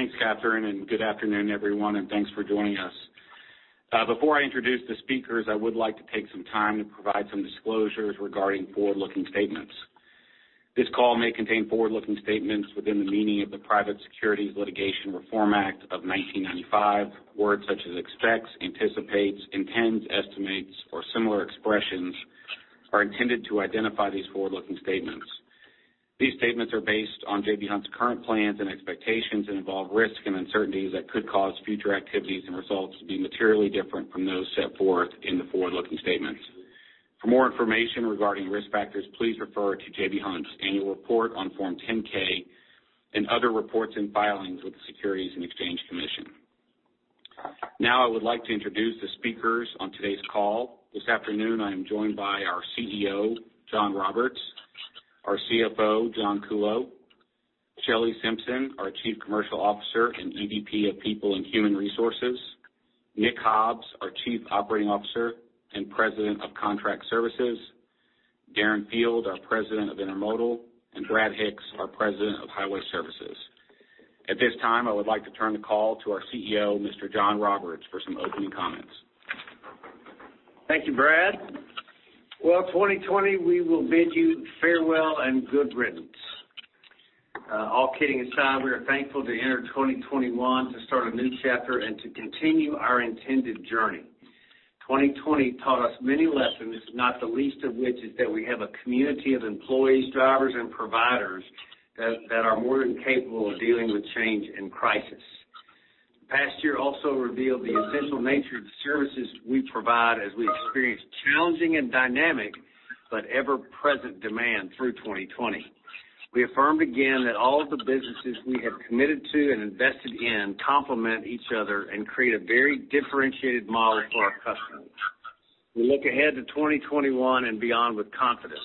Thanks, Catherine, and good afternoon, everyone, and thanks for joining us. Before I introduce the speakers, I would like to take some time to provide some disclosures regarding forward-looking statements. This call may contain forward-looking statements within the meaning of the Private Securities Litigation Reform Act of 1995. Words such as expects, anticipates, intends, estimates, or similar expressions are intended to identify these forward-looking statements. These statements are based on J.B. Hunt's current plans and expectations and involve risks and uncertainties that could cause future activities and results to be materially different from those set forth in the forward-looking statements. For more information regarding risk factors, please refer to J.B. Hunt's annual report on Form 10-K and other reports and filings with the Securities and Exchange Commission. Now I would like to introduce the speakers on today's call. This afternoon, I am joined by our CEO, John Roberts; our CFO, John Kuhlow; Shelley Simpson, our Chief Commercial Officer and EVP of People and Human Resources; Nick Hobbs, our Chief Operating Officer and President of Contract Services; Darren Field, our President of Intermodal; and Brad Hicks, our President of Highway Services. At this time, I would like to turn the call to our CEO, Mr. John Roberts, for some opening comments. Thank you, Brad. Well, 2020, we will bid you farewell and good riddance. All kidding aside, we are thankful to enter 2021 to start a new chapter and to continue our intended journey. 2020 taught us many lessons, not the least of which is that we have a community of employees, drivers, and providers that are more than capable of dealing with change and crisis. The past year also revealed the essential nature of the services we provide as we experienced challenging and dynamic, but ever-present demand through 2020. We affirmed again that all of the businesses we have committed to and invested in complement each other and create a very differentiated model for our customers. We look ahead to 2021 and beyond with confidence.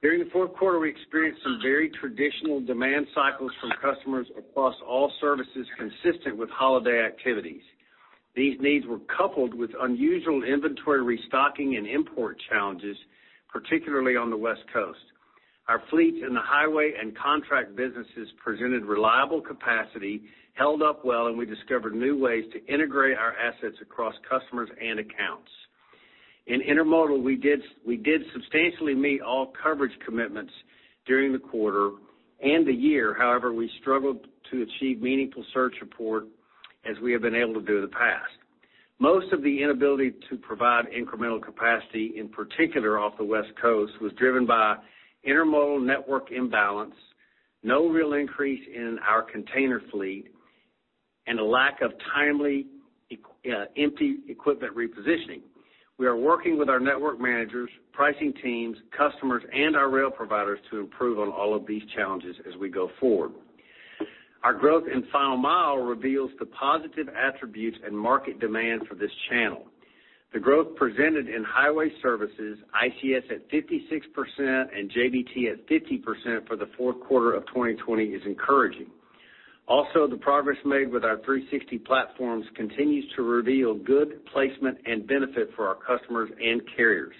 During the fourth quarter, we experienced some very traditional demand cycles from customers across all services consistent with holiday activities. These needs were coupled with unusual inventory restocking and import challenges, particularly on the West Coast. Our fleet in the Highway and Contract businesses presented reliable capacity, held up well, and we discovered new ways to integrate our assets across customers and accounts. In intermodal, we did substantially meet all coverage commitments during the quarter and the year. However, we struggled to achieve meaningful surge support as we have been able to do in the past. Most of the inability to provide incremental capacity, in particular off the West Coast, was driven by intermodal network imbalance, no real increase in our container fleet, and a lack of timely empty equipment repositioning. We are working with our network managers, pricing teams, customers, and our rail providers to improve on all of these challenges as we go forward. Our growth in Final Mile reveals the positive attributes and market demand for this channel. The growth presented in Highway Services, ICS at 56% and JBT at 50% for the fourth quarter of 2020, is encouraging. Also, the progress made with our 360° platforms continues to reveal good placement and benefit for our customers and carriers.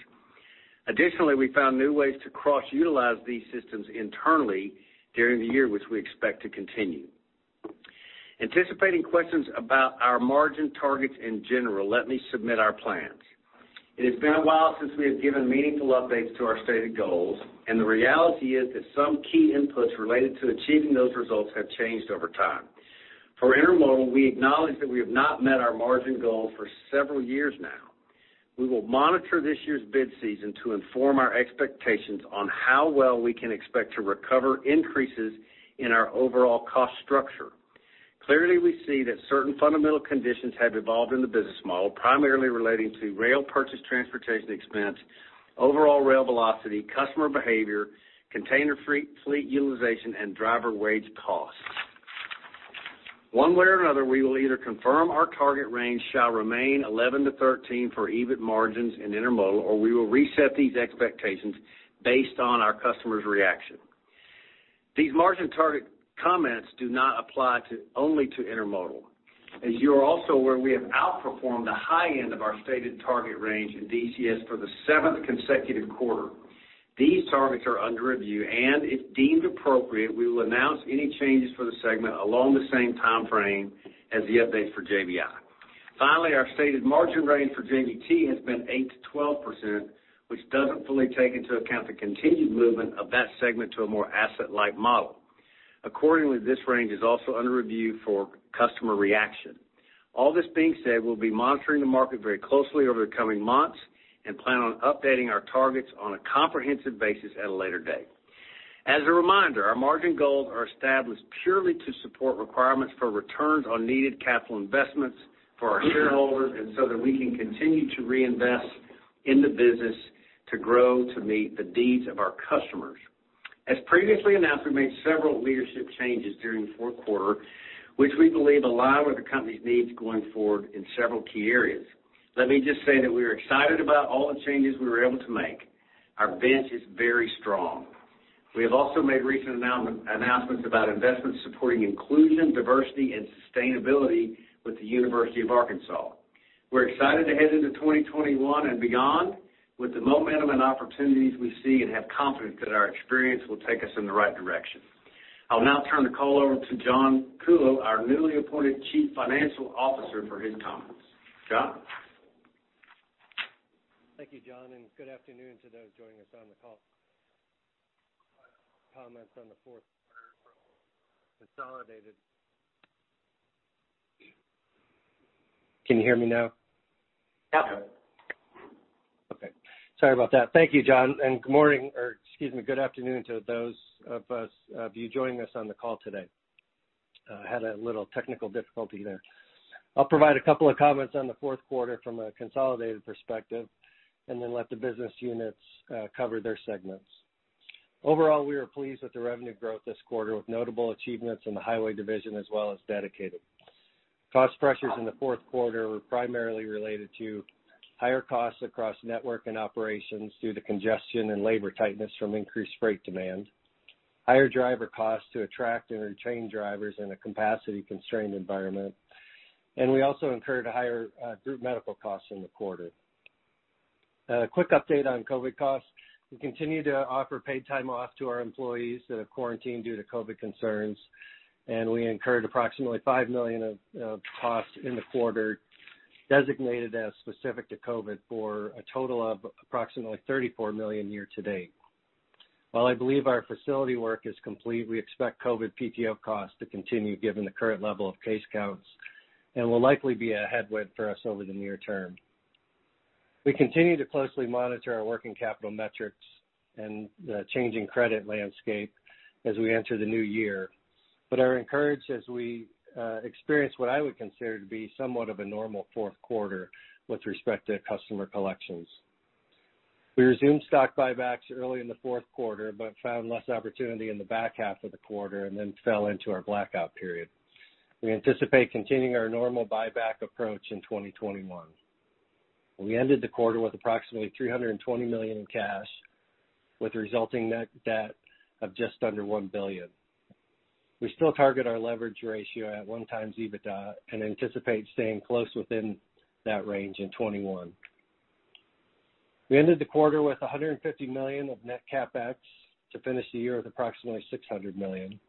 Additionally, we found new ways to cross-utilize these systems internally during the year, which we expect to continue. Anticipating questions about our margin targets in general, let me submit our plans. It has been a while since we have given meaningful updates to our stated goals, and the reality is that some key inputs related to achieving those results have changed over time. For intermodal, we acknowledge that we have not met our margin goal for several years now. We will monitor this year's bid season to inform our expectations on how well we can expect to recover increases in our overall cost structure. Clearly, we see that certain fundamental conditions have evolved in the business model, primarily relating to rail purchase transportation expense, overall rail velocity, customer behavior, container fleet utilization, and driver wage costs. One way or another, we will either confirm our target range shall remain 11%-13% for EBIT margins in intermodal, or we will reset these expectations based on our customers' reaction. These margin target comments do not apply only to intermodal. As you are also aware, we have outperformed the high end of our stated target range in DCS for the seventh consecutive quarter. These targets are under review, and if deemed appropriate, we will announce any changes for the segment along the same timeframe as the updates for JBI. Finally, our stated margin range for JBT has been 8%-12%, which doesn't fully take into account the continued movement of that segment to a more asset-light model. Accordingly, this range is also under review for customer reaction. All this being said, we'll be monitoring the market very closely over the coming months and plan on updating our targets on a comprehensive basis at a later date. As a reminder, our margin goals are established purely to support requirements for returns on needed capital investments for our shareholders and so that we can continue to reinvest in the business to grow to meet the needs of our customers. As previously announced, we made several leadership changes during the fourth quarter, which we believe align with the company's needs going forward in several key areas. Let me just say that we are excited about all the changes we were able to make. Our bench is very strong. We have also made recent announcements about investments supporting inclusion, diversity, and sustainability with the University of Arkansas. We're excited to head into 2021 and beyond with the momentum and opportunities we see, and have confidence that our experience will take us in the right direction. I'll now turn the call over to John Kuhlow, our newly appointed Chief Financial Officer, for his comments. John? Thank you, John, and good afternoon to those joining us on the call. Comments on the fourth quarter from the consolidated. Can you hear me now? Yep. Okay. Sorry about that. Thank you, John, and good morning, or excuse me, good afternoon to those of you joining us on the call today. Had a little technical difficulty there. I'll provide a couple of comments on the fourth quarter from a consolidated perspective, and then let the business units cover their segments. Overall, we are pleased with the revenue growth this quarter, with notable achievements in the Highway Services as well as Dedicated. Cost pressures in the fourth quarter were primarily related to higher costs across network and operations due to congestion and labor tightness from increased freight demand, higher driver costs to attract and retain drivers in a capacity-constrained environment, and we also incurred higher group medical costs in the quarter. A quick update on COVID costs. We continue to offer paid time off to our employees that have quarantined due to COVID concerns, and we incurred approximately $5 million of costs in the quarter designated as specific to COVID, for a total of approximately $34 million year to date. While I believe our facility work is complete, we expect COVID PTO costs to continue given the current level of case counts, and will likely be a headwind for us over the near term. We continue to closely monitor our working capital metrics and the changing credit landscape as we enter the new year. Are encouraged as we experience what I would consider to be somewhat of a normal fourth quarter with respect to customer collections. We resumed stock buybacks early in the fourth quarter, but found less opportunity in the back half of the quarter, and then fell into our blackout period. We anticipate continuing our normal buyback approach in 2021. We ended the quarter with approximately $320 million in cash, with resulting net debt of just under $1 billion. We still target our leverage ratio at one times EBITDA, and anticipate staying close within that range in 2021. We ended the quarter with $150 million of net CapEx to finish the year with approximately $600 million,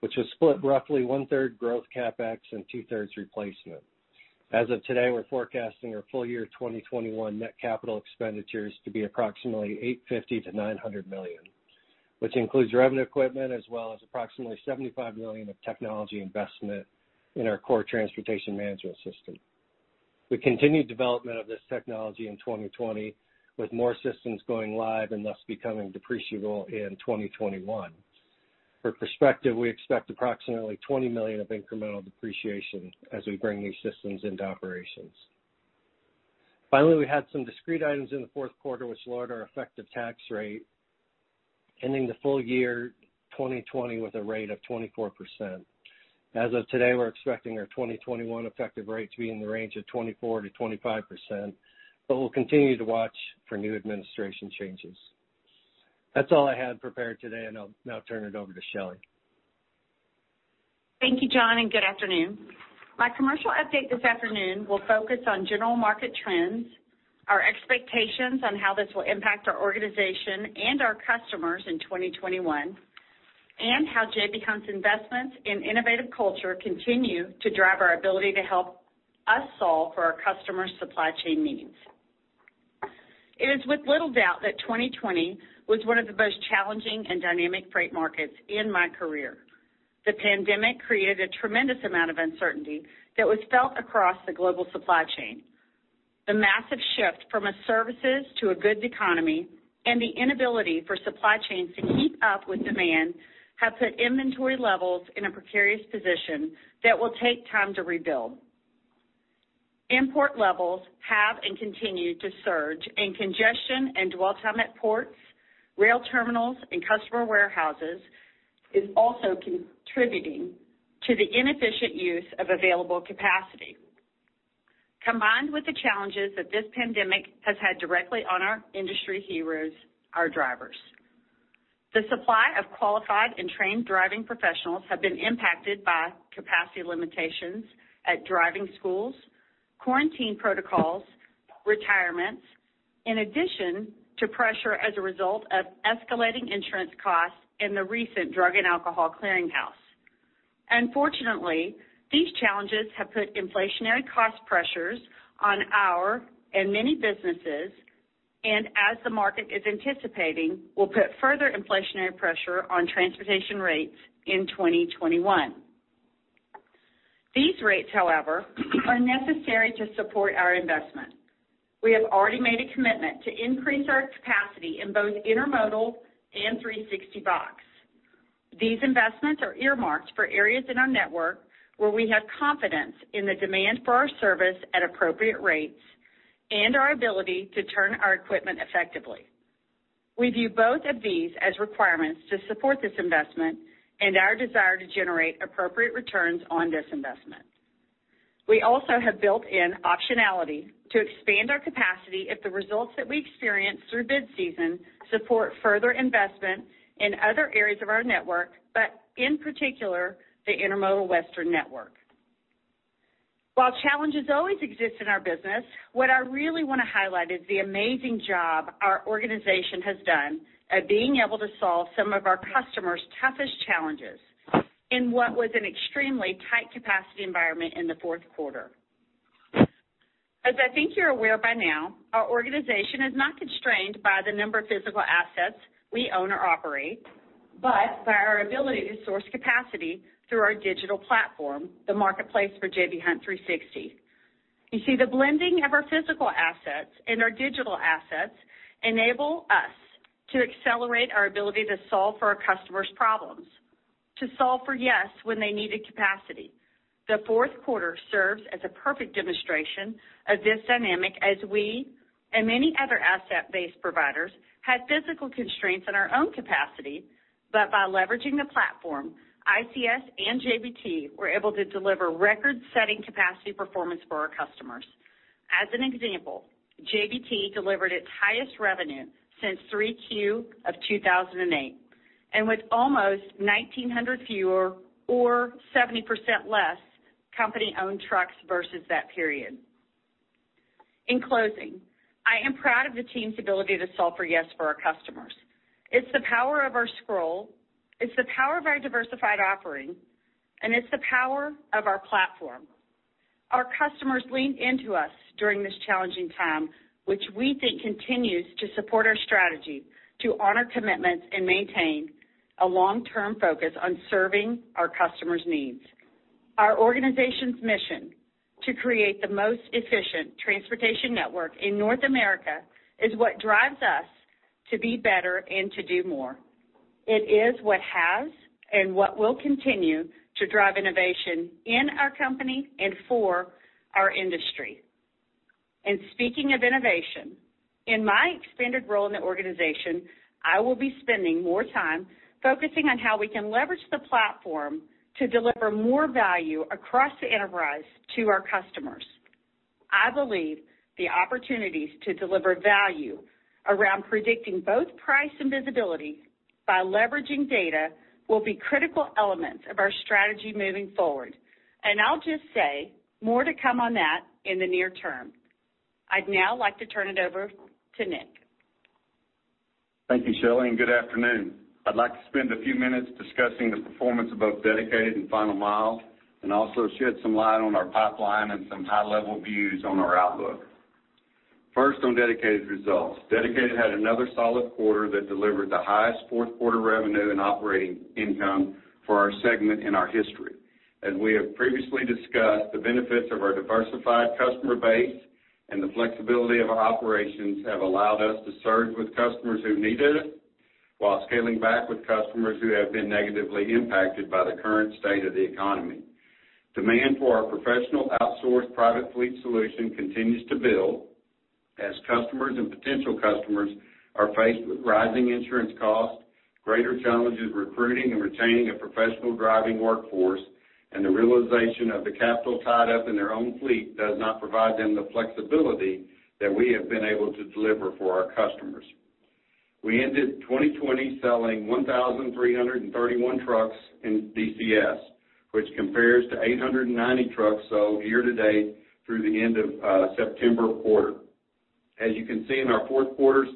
which was split roughly one-third growth CapEx and two-thirds replacement. As of today, we're forecasting our full year 2021 net capital expenditures to be approximately $850 million-$900 million, which includes revenue equipment as well as approximately $75 million of technology investment in our core transportation management system. We continued development of this technology in 2020, with more systems going live and thus becoming depreciable in 2021. For perspective, we expect approximately $20 million of incremental depreciation as we bring new systems into operations. Finally, we had some discrete items in the fourth quarter which lowered our effective tax rate, ending the full year 2020 with a rate of 24%. As of today, we're expecting our 2021 effective rate to be in the range of 24%-25%, but we'll continue to watch for new administration changes. That's all I had prepared today, and I'll now turn it over to Shelley. Thank you, John, good afternoon. My commercial update this afternoon will focus on general market trends, our expectations on how this will impact our organization and our customers in 2021, and how J.B. Hunt's investments in innovative culture continue to drive our ability to help us solve for our customers' supply chain needs. It is with little doubt that 2020 was one of the most challenging and dynamic freight markets in my career. The pandemic created a tremendous amount of uncertainty that was felt across the global supply chain. The massive shift from a services to a goods economy and the inability for supply chains to keep up with demand have put inventory levels in a precarious position that will take time to rebuild. Import levels have and continue to surge, and congestion and dwell time at ports, rail terminals, and customer warehouses is also contributing to the inefficient use of available capacity. Combined with the challenges that this pandemic has had directly on our industry heroes, our drivers, the supply of qualified and trained driving professionals have been impacted by capacity limitations at driving schools, quarantine protocols, retirements, in addition to pressure as a result of escalating insurance costs and the recent Drug and Alcohol Clearinghouse. Unfortunately, these challenges have put inflationary cost pressures on our and many businesses, and as the market is anticipating, will put further inflationary pressure on transportation rates in 2021. These rates, however, are necessary to support our investment. We have already made a commitment to increase our capacity in both intermodal and 360box. These investments are earmarked for areas in our network where we have confidence in the demand for our service at appropriate rates and our ability to turn our equipment effectively. We view both of these as requirements to support this investment and our desire to generate appropriate returns on this investment. We also have built in optionality to expand our capacity if the results that we experience through bid season support further investment in other areas of our network, but in particular, the Intermodal Western network. While challenges always exist in our business, what I really want to highlight is the amazing job our organization has done at being able to solve some of our customers' toughest challenges in what was an extremely tight capacity environment in the fourth quarter. As I think you're aware by now, our organization is not constrained by the number of physical assets we own or operate, but by our ability to source capacity through our digital platform, the Marketplace for J.B. Hunt 360°. You see, the blending of our physical assets and our digital assets enable us to accelerate our ability to solve for our customers' problems, to solve for yes when they needed capacity. The fourth quarter serves as a perfect demonstration of this dynamic as we, and many other asset-based providers, had physical constraints on our own capacity. By leveraging the platform, ICS and JBT were able to deliver record-setting capacity performance for our customers. As an example, JBT delivered its highest revenue since 3Q of 2008, with almost 1,900 fewer, or 70% less company-owned trucks versus that period. In closing, I am proud of the team's ability to solve for yes for our customers. It's the power of our scroll, it's the power of our diversified offering, and it's the power of our platform. Our customers leaned into us during this challenging time, which we think continues to support our strategy to honor commitments and maintain a long-term focus on serving our customers' needs. Our organization's mission to create the most efficient transportation network in North America is what drives us to be better and to do more. It is what has and what will continue to drive innovation in our company and for our industry. Speaking of innovation, in my expanded role in the organization, I will be spending more time focusing on how we can leverage the platform to deliver more value across the enterprise to our customers. I believe the opportunities to deliver value around predicting both price and visibility by leveraging data will be critical elements of our strategy moving forward. I'll just say more to come on that in the near term. I'd now like to turn it over to Nick. Thank you, Shelley. Good afternoon. I'd like to spend a few minutes discussing the performance of both Dedicated and Final Mile, and also shed some light on our pipeline and some high-level views on our outlook. First, on Dedicated results. Dedicated had another solid quarter that delivered the highest fourth quarter revenue and operating income for our segment in our history. As we have previously discussed, the benefits of our diversified customer base and the flexibility of our operations have allowed us to surge with customers who needed it, while scaling back with customers who have been negatively impacted by the current state of the economy. Demand for our professional outsourced private fleet solution continues to build as customers and potential customers are faced with rising insurance costs, greater challenges recruiting and retaining a professional driving workforce, and the realization of the capital tied up in their own fleet does not provide them the flexibility that we have been able to deliver for our customers. We ended 2020 selling 1,331 trucks in DCS, which compares to 890 trucks sold year to date through the end of September quarter. As you can see in our fourth quarter's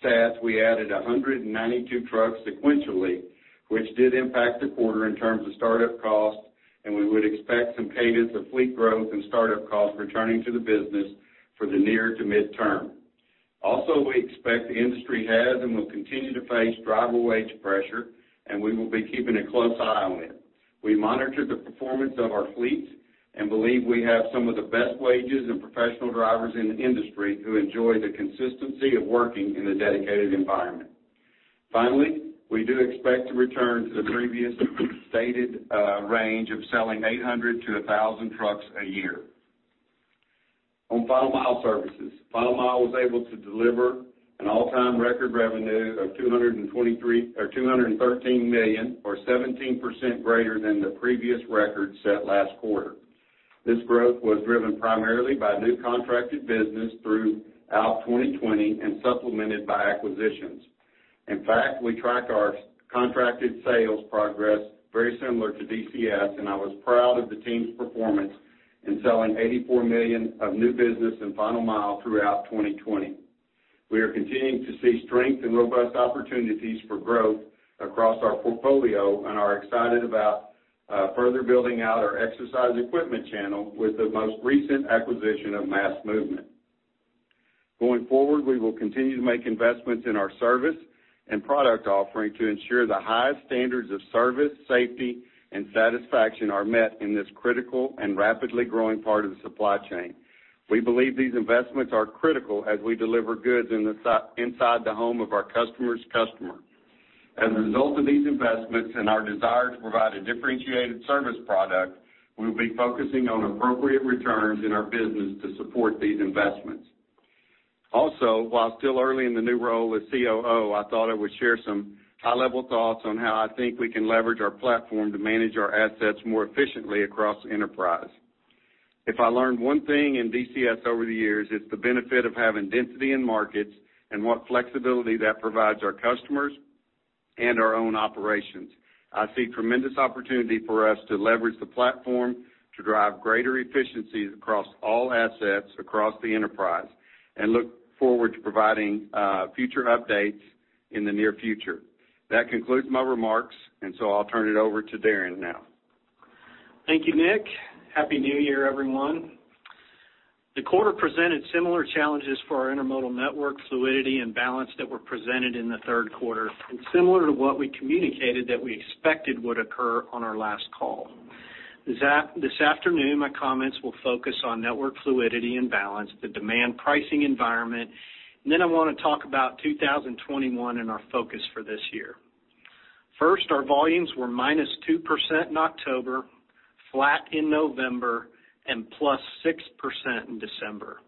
stats, we added 192 trucks sequentially, which did impact the quarter in terms of startup costs, and we would expect some cadence of fleet growth and startup costs returning to the business for the near to midterm. We expect the industry has and will continue to face driver wage pressure, and we will be keeping a close eye on it. We monitor the performance of our fleet and believe we have some of the best wages and professional drivers in the industry who enjoy the consistency of working in a Dedicated environment. We do expect to return to the previous stated range of selling 800-1,000 trucks a year. On Final Mile Services. Final Mile was able to deliver an all-time record revenue of $213 million, or 17% greater than the previous record set last quarter. This growth was driven primarily by new contracted business throughout 2020 and supplemented by acquisitions. In fact, we track our contracted sales progress very similar to DCS, and I was proud of the team's performance in selling $84 million of new business in Final Mile throughout 2020. We are continuing to see strength and robust opportunities for growth across our portfolio and are excited about further building out our exercise equipment channel with the most recent acquisition of Mass Movement. Going forward, we will continue to make investments in our service and product offering to ensure the highest standards of service, safety, and satisfaction are met in this critical and rapidly growing part of the supply chain. We believe these investments are critical as we deliver goods inside the home of our customer's customer. As a result of these investments and our desire to provide a differentiated service product, we will be focusing on appropriate returns in our business to support these investments. Also, while still early in the new role as COO, I thought I would share some high-level thoughts on how I think we can leverage our platform to manage our assets more efficiently across enterprise. If I learned one thing in DCS over the years, it's the benefit of having density in markets and what flexibility that provides our customers and our own operations. I see tremendous opportunity for us to leverage the platform to drive greater efficiencies across all assets across the enterprise and look forward to providing future updates in the near future. That concludes my remarks. I'll turn it over to Darren now. Thank you, Nick. Happy New Year, everyone. The quarter presented similar challenges for our intermodal network fluidity and balance that were presented in the third quarter, and similar to what we communicated that we expected would occur on our last call. This afternoon, my comments will focus on network fluidity and balance, the demand pricing environment, and then I want to talk about 2021 and our focus for this year. First, our volumes were -2% in October, flat in November, and +6% in December.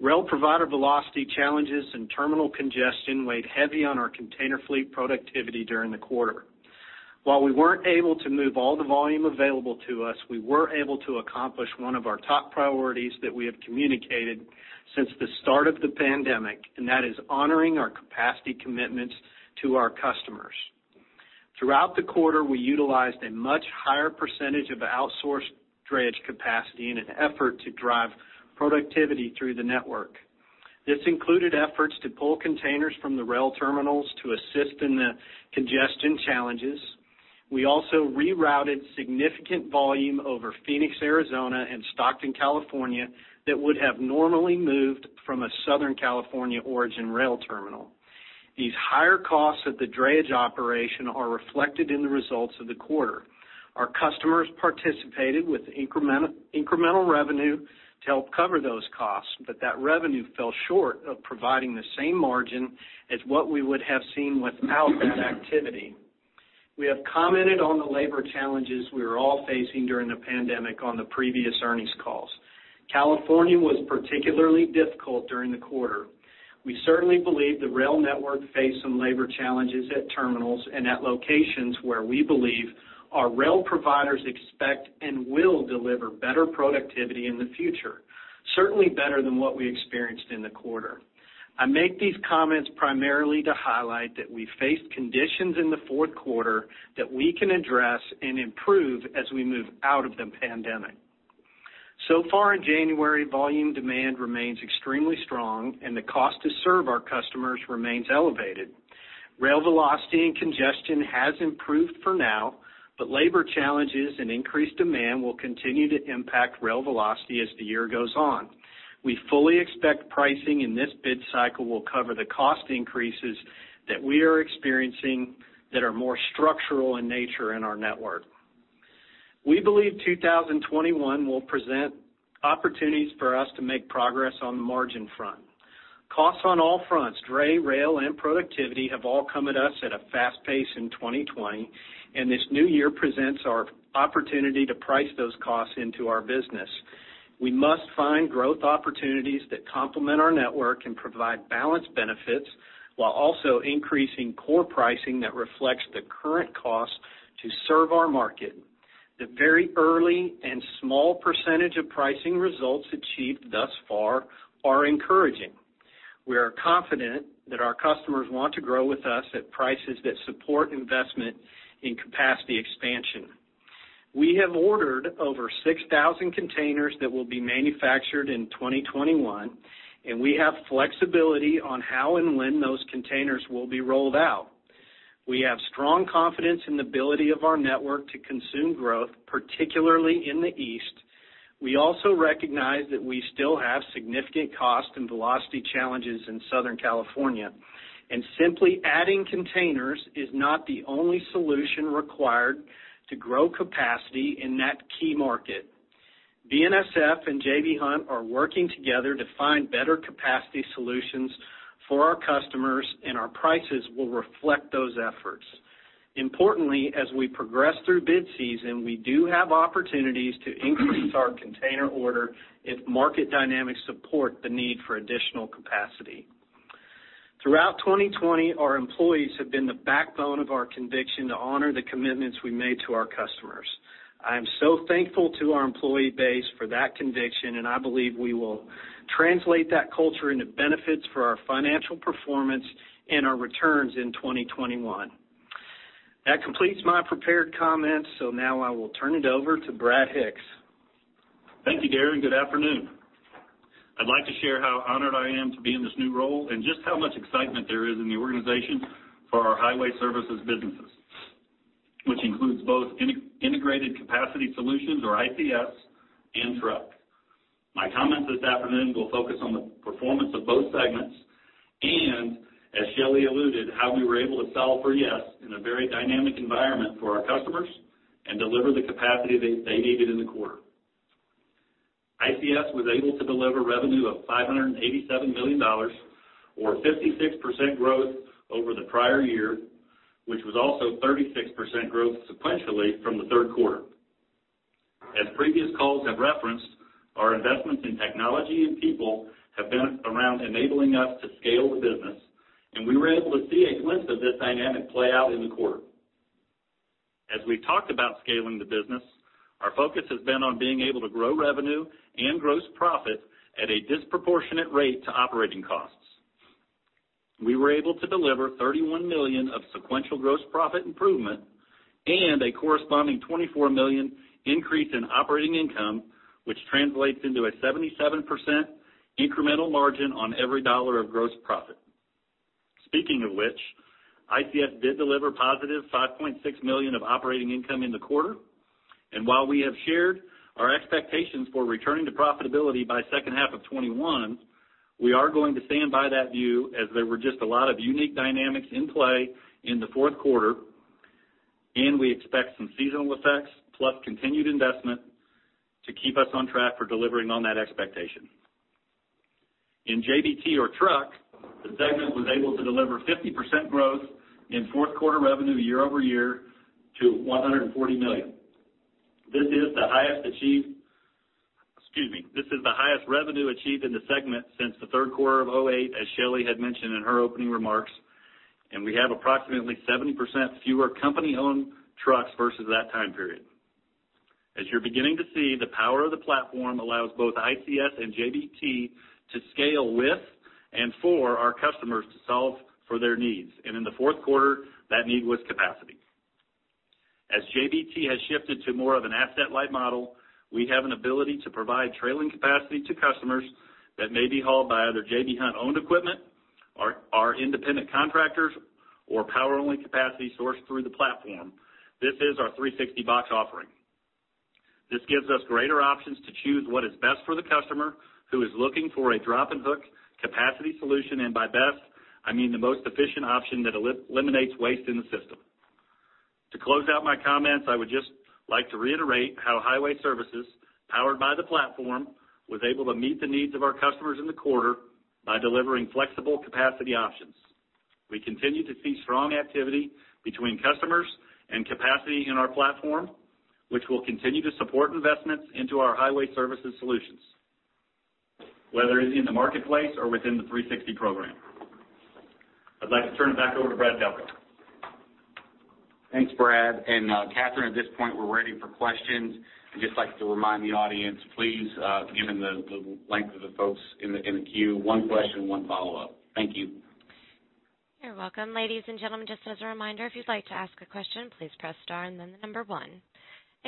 Rail provider velocity challenges and terminal congestion weighed heavy on our container fleet productivity during the quarter. While we weren't able to move all the volume available to us, we were able to accomplish one of our top priorities that we have communicated since the start of the pandemic, and that is honoring our capacity commitments to our customers. Throughout the quarter, we utilized a much higher percentage of outsourced drayage capacity in an effort to drive productivity through the network. This included efforts to pull containers from the rail terminals to assist in the congestion challenges. We also rerouted significant volume over Phoenix, Arizona, and Stockton, California, that would have normally moved from a Southern California origin rail terminal. These higher costs at the drayage operation are reflected in the results of the quarter. Our customers participated with incremental revenue to help cover those costs. That revenue fell short of providing the same margin as what we would have seen without that activity. We have commented on the labor challenges we were all facing during the pandemic on the previous earnings calls. California was particularly difficult during the quarter. We certainly believe the rail network faced some labor challenges at terminals and at locations where we believe our rail providers expect and will deliver better productivity in the future, certainly better than what we experienced in the quarter. I make these comments primarily to highlight that we faced conditions in the fourth quarter that we can address and improve as we move out of the pandemic. Far in January, volume demand remains extremely strong, and the cost to serve our customers remains elevated. Rail velocity and congestion has improved for now, labor challenges and increased demand will continue to impact rail velocity as the year goes on. We fully expect pricing in this bid cycle will cover the cost increases that we are experiencing that are more structural in nature in our network. We believe 2021 will present opportunities for us to make progress on the margin front. Costs on all fronts, dray, rail, and productivity, have all come at us at a fast pace in 2020, and this new year presents our opportunity to price those costs into our business. We must find growth opportunities that complement our network and provide balanced benefits while also increasing core pricing that reflects the current cost to serve our market. The very early and small percentage of pricing results achieved thus far are encouraging. We are confident that our customers want to grow with us at prices that support investment in capacity expansion. We have ordered over 6,000 containers that will be manufactured in 2021, and we have flexibility on how and when those containers will be rolled out. We have strong confidence in the ability of our network to consume growth, particularly in the East. We also recognize that we still have significant cost and velocity challenges in Southern California. Simply adding containers is not the only solution required to grow capacity in that key market. BNSF and J.B. Hunt are working together to find better capacity solutions for our customers. Our prices will reflect those efforts. Importantly, as we progress through bid season, we do have opportunities to increase our container order if market dynamics support the need for additional capacity. Throughout 2020, our employees have been the backbone of our conviction to honor the commitments we made to our customers. I am so thankful to our employee base for that conviction. I believe we will translate that culture into benefits for our financial performance and our returns in 2021. That completes my prepared comments. Now I will turn it over to Brad Hicks. Thank you, Darren. Good afternoon. I'd like to share how honored I am to be in this new role and just how much excitement there is in the organization for our Highway Services businesses, which includes both Integrated Capacity Solutions, or ICS, and truck. My comments this afternoon will focus on the performance of both segments and, as Shelley alluded, how we were able to solve for yes in a very dynamic environment for our customers and deliver the capacity they needed in the quarter. ICS was able to deliver revenue of $587 million, or 56% growth over the prior year, which was also 36% growth sequentially from the third quarter. As previous calls have referenced, our investments in technology and people have been around enabling us to scale the business, and we were able to see a glimpse of this dynamic play out in the quarter. As we talked about scaling the business, our focus has been on being able to grow revenue and gross profit at a disproportionate rate to operating costs. We were able to deliver $31 million of sequential gross profit improvement and a corresponding $24 million increase in operating income, which translates into a 77% incremental margin on every dollar of gross profit. Speaking of which, ICS did deliver a positive $5.6 million of operating income in the quarter. While we have shared our expectations for returning to profitability by the second half of 2021, we are going to stand by that view, as there were just a lot of unique dynamics in play in the fourth quarter, and we expect some seasonal effects plus continued investment to keep us on track for delivering on that expectation. In JBT or truck, the segment was able to deliver 50% growth in fourth quarter revenue year-over-year to $140 million. This is the highest revenue achieved in the segment since the third quarter of 2008, as Shelley had mentioned in her opening remarks, and we have approximately 70% fewer company-owned trucks versus that time period. As you're beginning to see, the power of the platform allows both ICS and JBT to scale with and for our customers to solve for their needs. In the fourth quarter, that need was capacity. As JBT has shifted to more of an asset-light model, we have an ability to provide trailing capacity to customers that may be hauled by either J.B. Hunt-owned equipment, our independent contractors, or power-only capacity sourced through the platform. This is our 360box offering. This gives us greater options to choose what is best for the customer who is looking for a drop-and-hook capacity solution. By best, I mean the most efficient option that eliminates waste in the system. To close out my comments, I would just like to reiterate how Highway Services, powered by the platform, was able to meet the needs of our customers in the quarter by delivering flexible capacity options. We continue to see strong activity between customers and capacity in our platform, which will continue to support investments into our Highway Services solutions, whether it is in the marketplace or within the 360 program. I'd like to turn it back over to Brad Delco. Thanks, Brad. Catherine, at this point, we're ready for questions. I'd just like to remind the audience, please, given the length of the folks in the queue, one question, one follow-up. Thank you. You're welcome. Ladies and gentlemen, just as a reminder, if you'd like to ask a question, please press star and then the number one.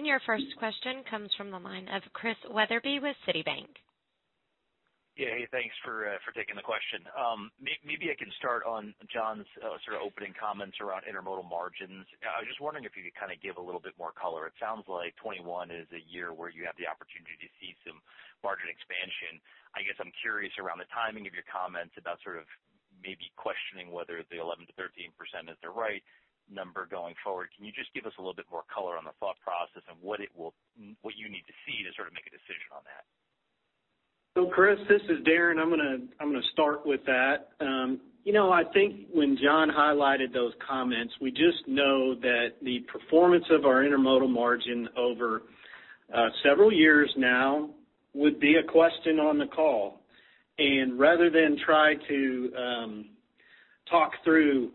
Your first question comes from the line of Chris Wetherbee with Citi. Yeah. Hey, thanks for taking the question. Maybe I can start on John's opening comments around intermodal margins. I was just wondering if you could give a little bit more color. It sounds like 2021 is a year where you have the opportunity to see some margin expansion. I guess I'm curious around the timing of your comments about maybe questioning whether the 11%-13% is the right number going forward. Can you just give us a little bit more color on the thought process and what you need to see to make a decision on that? Chris, this is Darren. I'm going to start with that. I think when John highlighted those comments, we just know that the performance of our intermodal margin over several years now would be a question on the call. Rather than try to talk through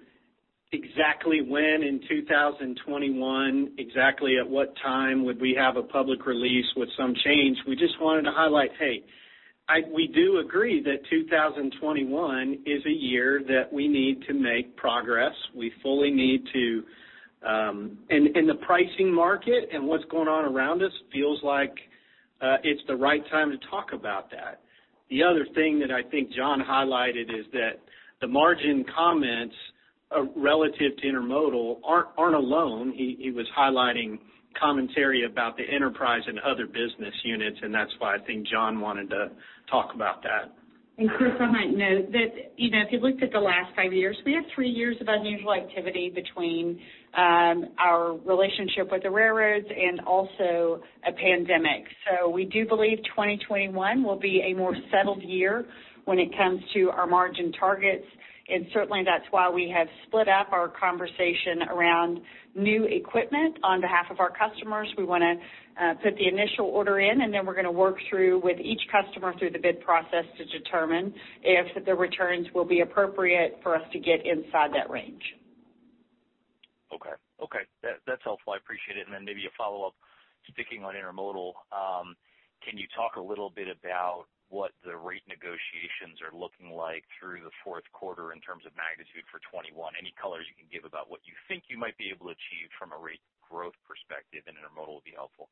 exactly when in 2021, exactly at what time would we have a public release with some change, we just wanted to highlight, hey, we do agree that 2021 is a year that we need to make progress. We fully need to. The pricing market and what's going on around us feel like it's the right time to talk about that. The other thing that I think John highlighted is that the margin comments relative to intermodal aren't alone. He was highlighting commentary about the enterprise and other business units, and that's why I think John wanted to talk about that. Chris, on that note, if you looked at the last five years, we have three years of unusual activity between our relationship with the railroads and also a pandemic. We do believe 2021 will be a more settled year when it comes to our margin targets, certainly that's why we have split up our conversation around new equipment. On behalf of our customers, we want to put the initial order in, then we're going to work through with each customer through the bid process to determine if the returns will be appropriate for us to get inside that range. Okay. That's helpful. I appreciate it. Then maybe a follow-up, sticking on intermodal. Can you talk a little bit about what the rate negotiations are looking like through the fourth quarter in terms of magnitude for 2021? Any colors you can give about what you think you might be able to achieve from a rate growth perspective in intermodal would be helpful.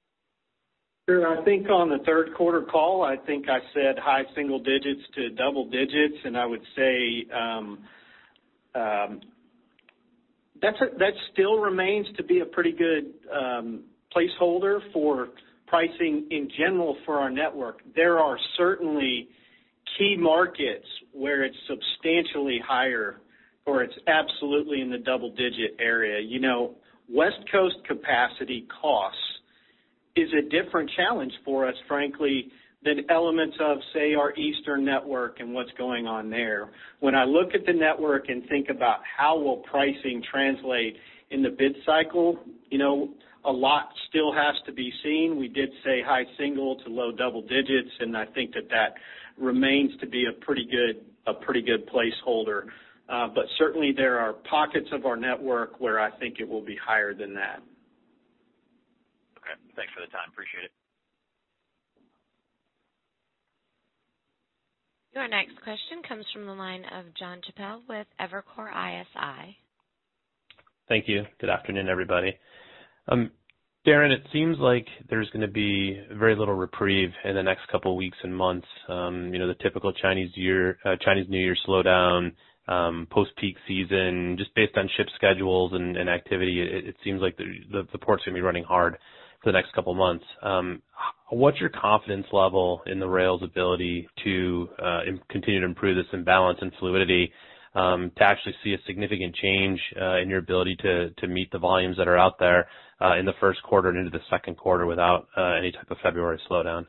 Sure. I think on the third quarter call, I think I said high single digits to double digits, and I would say that still remains to be a pretty good placeholder for pricing in general for our network. There are certainly key markets where it's substantially higher, or it's absolutely in the double-digit area. West Coast capacity costs is a different challenge for us, frankly. Than elements of, say, our Eastern network and what's going on there. When I look at the network and think about how will pricing translate in the bid cycle, a lot still has to be seen. We did say high single to low double digits, and I think that that remains to be a pretty good placeholder. Certainly, there are pockets of our network where I think it will be higher than that. Okay. Thanks for the time. Appreciate it. Your next question comes from the line of Jon Chappell with Evercore ISI. Thank you. Good afternoon, everybody. Darren, it seems like there's going to be very little reprieve in the next couple of weeks and months. The typical Chinese New Year slowdown, post peak season, just based on ship schedules and activity, it seems like the port's going to be running hard for the next couple of months. What's your confidence level in the rail's ability to continue to improve this imbalance and fluidity, to actually see a significant change in your ability to meet the volumes that are out there in the first quarter and into the second quarter without any type of February slowdown?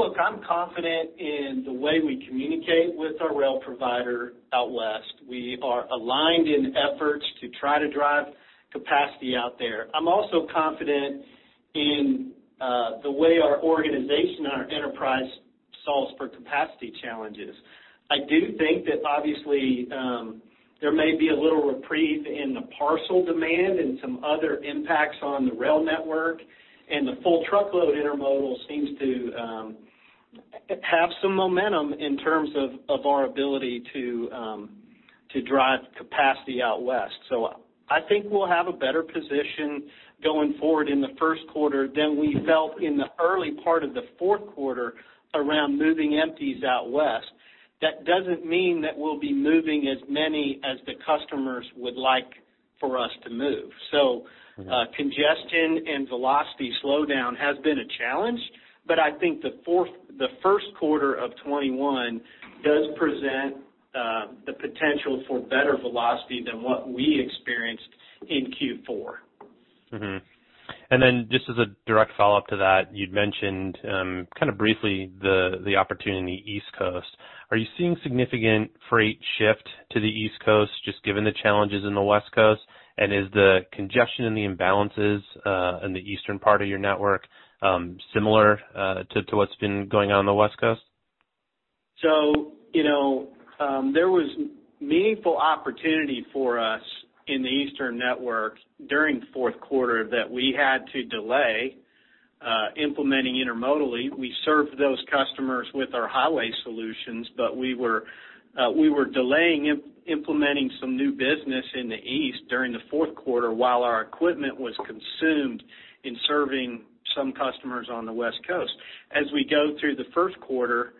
Look, I'm confident in the way we communicate with our rail provider out west. We are aligned in efforts to try to drive capacity out there. I'm also confident in the way our organization, our enterprise solves for capacity challenges. I do think that obviously, there may be a little reprieve in the parcel demand and some other impacts on the rail network, and the full truckload intermodal seems to have some momentum in terms of our ability to drive capacity out west. I think we'll have a better position going forward in the first quarter than we felt in the early part of the fourth quarter around moving empties out west. That doesn't mean that we'll be moving as many as the customers would like for us to move. Congestion and velocity slowdown has been a challenge, but I think the first quarter of 2021 does present the potential for better velocity than what we experienced in Q4. Just as a direct follow-up to that, you'd mentioned briefly the opportunity in the East Coast. Are you seeing significant freight shift to the East Coast, just given the challenges in the West Coast? Is the congestion and the imbalances in the eastern part of your network similar to what's been going on in the West Coast? There was meaningful opportunity for us in the Eastern network during the fourth quarter that we had to delay implementing intermodally. We served those customers with our highway solutions, but we were delaying implementing some new business in the East during the fourth quarter while our equipment was consumed in serving some customers on the West Coast. As we go through the first quarter,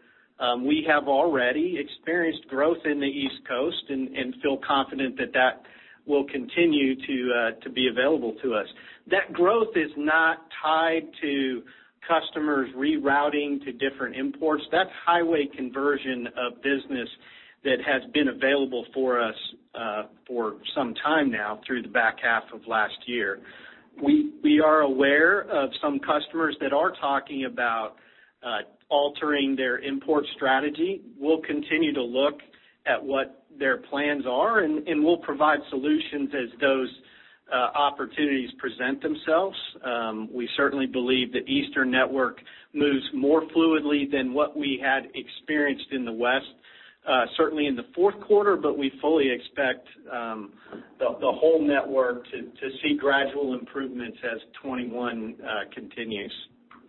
we have already experienced growth in the East Coast and feel confident that that will continue to be available to us. That growth is not tied to customers rerouting to different imports. That's highway conversion of business that has been available for us for some time now through the back half of last year. We are aware of some customers that are talking about altering their import strategy. We'll continue to look at what their plans are, and we'll provide solutions as those opportunities present themselves. We certainly believe that Eastern network moves more fluidly than what we had experienced in the West, certainly in the fourth quarter, but we fully expect the whole network to see gradual improvements as 2021 continues.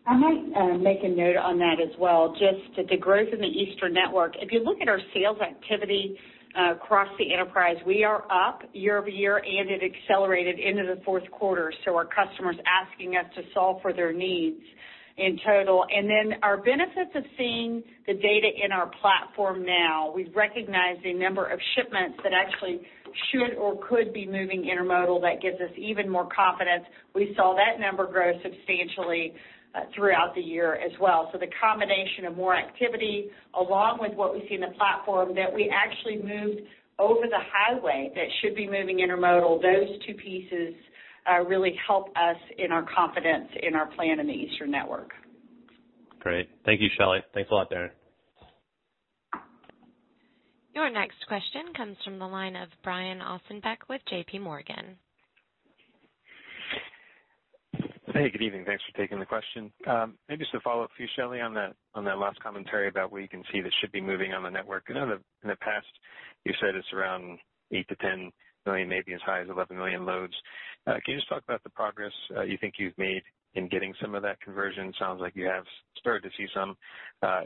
I might make a note on that as well, just the growth in the Eastern network. If you look at our sales activity across the enterprise, we are up year-over-year, and it accelerated into the fourth quarter. Our customers are asking us to solve for their needs in total. Our benefits of seeing the data in our platform now, we've recognized a number of shipments that actually should or could be moving intermodal that gives us even more confidence. We saw that number grow substantially throughout the year as well. The combination of more activity, along with what we see in the platform that we actually moved over the highway that should be moving intermodal, those two pieces really help us in our confidence in our plan in the Eastern network. Great. Thank you, Shelley. Thanks a lot, Darren. Your next question comes from the line of Brian Ossenbeck with JPMorgan. Hey, good evening. Thanks for taking the question. Maybe just to follow up for you, Shelley, on that last commentary about where you can see that should be moving on the network. I know that in the past, you said it's around eight to 10 million, maybe as high as 11 million loads. Can you just talk about the progress you think you've made in getting some of that conversion? Sounds like you have started to see some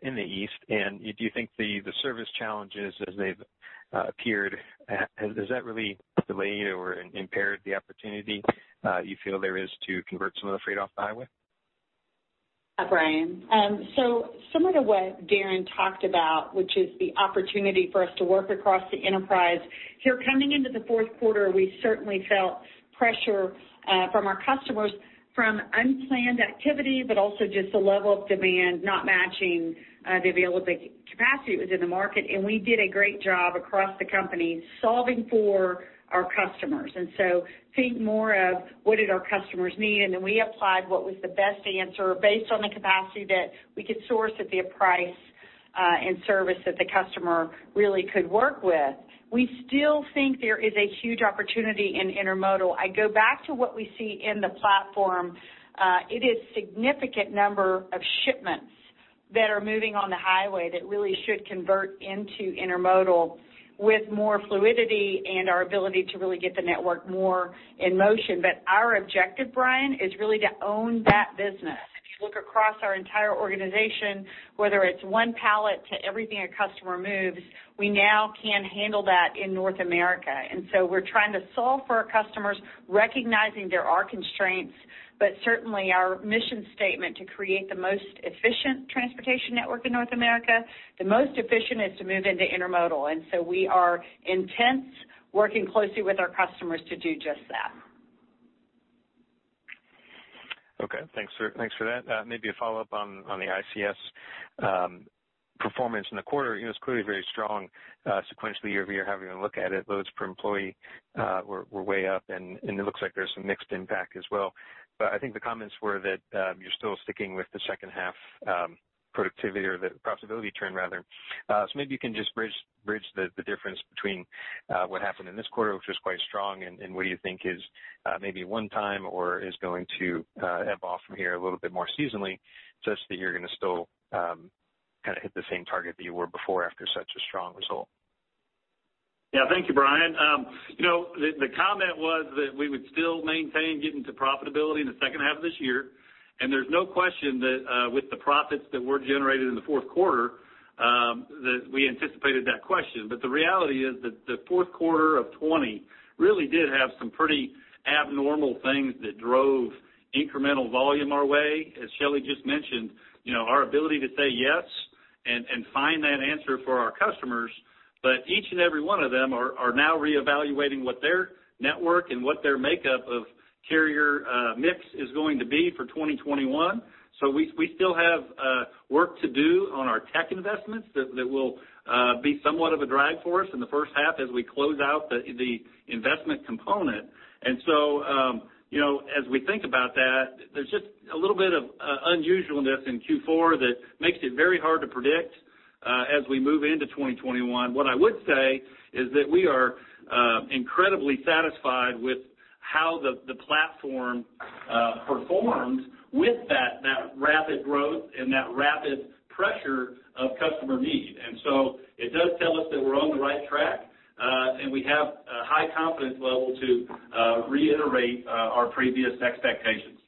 in the East. Do you think the service challenges as they've appeared, has that really delayed or impaired the opportunity you feel there is to convert some of the freight off the highway? Hi, Brian. Similar to what Darren talked about, which is the opportunity for us to work across the enterprise. Here coming into the fourth quarter, we certainly felt pressure from our customers from unplanned activity, but also just the level of demand not matching the available capacity that was in the market, and we did a great job across the company solving for our customers. Think more of what did our customers need, and then we applied what was the best answer based on the capacity that we could source at the price and service that the customer really could work with. We still think there is a huge opportunity in intermodal. I go back to what we see in the platform. It is significant number of shipments that are moving on the highway that really should convert into intermodal with more fluidity and our ability to really get the network more in motion. Our objective, Brian, is really to own that business. If you look across our entire organization, whether it's one pallet to everything a customer moves, we now can handle that in North America. We're trying to solve for our customers, recognizing there are constraints, but certainly our mission statement to create the most efficient transportation network in North America, the most efficient is to move into intermodal. We are intense working closely with our customers to do just that. Okay, thanks for that. Maybe a follow-up on the ICS performance in the quarter. It was clearly very strong sequentially year-over-year, however you want to look at it. Loads per employee were way up, and it looks like there's some mixed impact as well. I think the comments were that you're still sticking with the second half productivity or the profitability turn rather. Maybe you can just bridge the difference between what happened in this quarter, which was quite strong, and what do you think is maybe one time or is going to ebb off from here a little bit more seasonally, such that you're going to still hit the same target that you were before after such a strong result. Thank you, Brian. The comment was that we would still maintain getting to profitability in the second half of this year, and there's no question that with the profits that were generated in the fourth quarter, that we anticipated that question. The reality is that the fourth quarter of 2020 really did have some pretty abnormal things that drove incremental volume our way. As Shelley just mentioned, our ability to say yes and find that answer for our customers. Each and every one of them is now reevaluating what their network and what their makeup of carrier mix is going to be for 2021. We still have work to do on our tech investments that will be somewhat of a drag for us in the first half as we close out the investment component. As we think about that, there's just a little bit of unusualness in Q4 that makes it very hard to predict as we move into 2021. What I would say is that we are incredibly satisfied with how the platform performed with that rapid growth and that rapid pressure of customer need. It does tell us that we're on the right track, and we have a high confidence level to reiterate our previous expectations.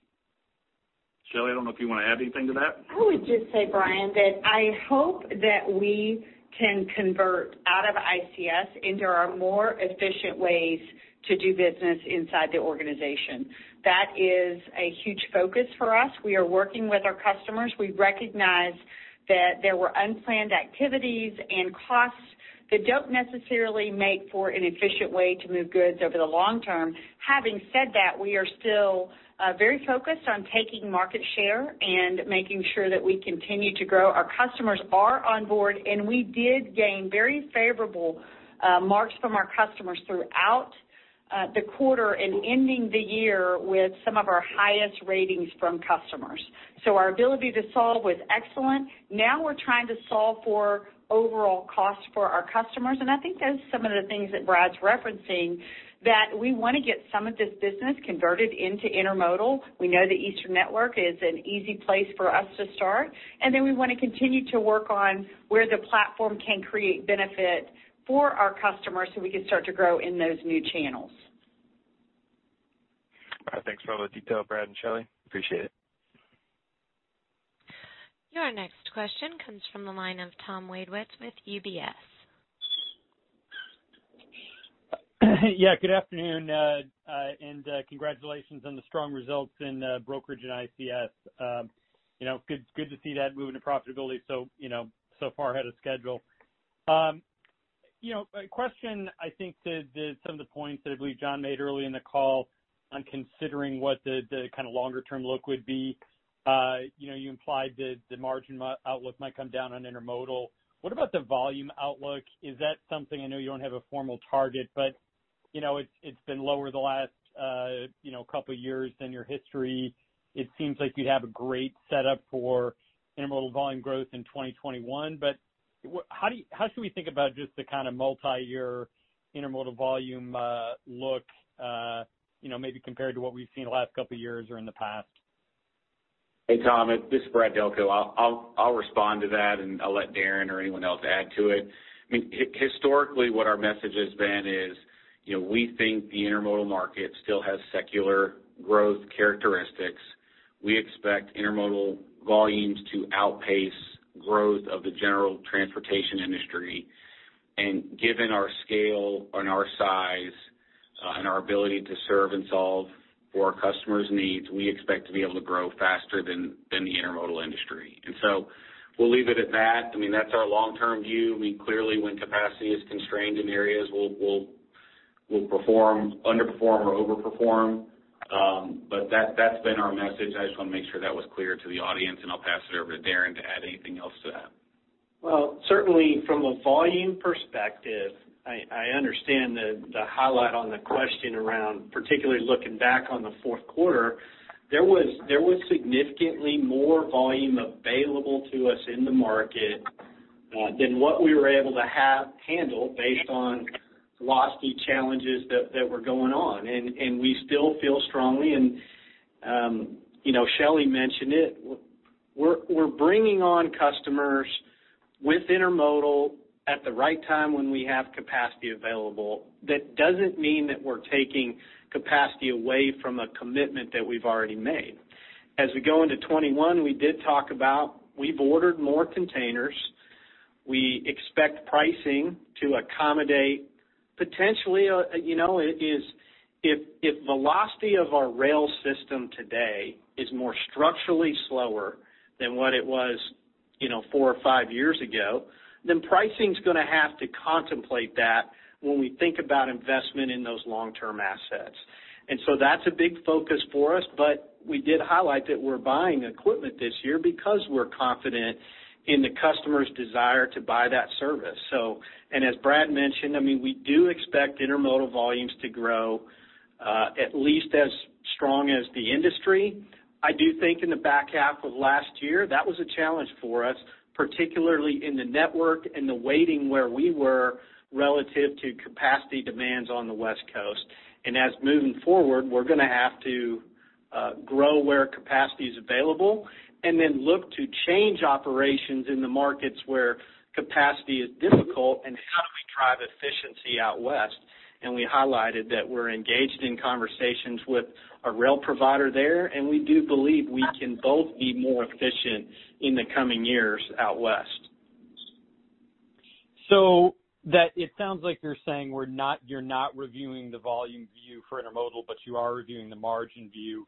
Shelley, I don't know if you want to add anything to that. I would just say, Brian, that I hope that we can convert out of ICS into our more efficient ways to do business inside the organization. That is a huge focus for us. We are working with our customers. We recognize that there were unplanned activities and costs that don't necessarily make for an efficient way to move goods over the long term. Having said that, we are still very focused on taking market share and making sure that we continue to grow. Our customers are on board, and we did gain very favorable marks from our customers throughout the quarter, and ending the year with some of our highest ratings from customers. Our ability to solve was excellent. Now we're trying to solve for overall cost for our customers, and I think those are some of the things that Brad's referencing, that we want to get some of this business converted into intermodal. We know the Eastern network is an easy place for us to start, and then we want to continue to work on where the platform can create benefit for our customers so we can start to grow in those new channels. All right. Thanks for all the detail, Brad and Shelley. Appreciate it. Your next question comes from the line of Tom Wadewitz with UBS. Yeah, good afternoon, and congratulations on the strong results in brokerage and ICS. Good to see that moving to profitability so far ahead of schedule. A question, I think to some of the points that I believe John made early in the call on considering what the longer term look would be. You implied that the margin outlook might come down on intermodal. What about the volume outlook? Is that something, I know you don't have a formal target, but it's been lower the last couple of years than your history. It seems like you'd have a great setup for intermodal volume growth in 2021. How should we think about just the multi-year intermodal volume look, maybe compared to what we've seen the last couple of years or in the past? Hey, Tom, this is Brad Delco. I'll respond to that, and I'll let Darren or anyone else add to it. Historically, what our message has been is, we think the intermodal market still has secular growth characteristics. We expect intermodal volumes to outpace growth of the general transportation industry. Given our scale and our size. Our ability to serve and solve for our customers' needs, we expect to be able to grow faster than the intermodal industry. We'll leave it at that. That's our long-term view. We clearly, when capacity is constrained in areas, we'll underperform or overperform. That's been our message. I just want to make sure that was clear to the audience, and I'll pass it over to Darren to add anything else to that. Well, certainly from a volume perspective, I understand the highlight on the question around particularly looking back on the fourth quarter, there was significantly more volume available to us in the market than what we were able to handle based on velocity challenges that were going on. We still feel strongly, and Shelley mentioned it, we're bringing on customers with Intermodal at the right time when we have capacity available. That doesn't mean that we're taking capacity away from a commitment that we've already made. As we go into 2021, we did talk about, we've ordered more containers. We expect pricing to accommodate potentially, if velocity of our rail system today is more structurally slower than what it was four or five years ago, then pricing's going to have to contemplate that when we think about investment in those long-term assets. That's a big focus for us, but we did highlight that we're buying equipment this year because we're confident in the customer's desire to buy that service. As Brad mentioned, we do expect Intermodal volumes to grow, at least as strong as the industry. I do think in the back half of last year, that was a challenge for us, particularly in the network and the waiting where we were relative to capacity demands on the West Coast. Moving forward, we're going to have to grow where capacity is available and then look to change operations in the markets where capacity is difficult. How do we drive efficiency out west? We highlighted that we're engaged in conversations with a rail provider there, and we do believe we can both be more efficient in the coming years out west. It sounds like you're saying you're not reviewing the volume view for intermodal, but you are reviewing the margin view.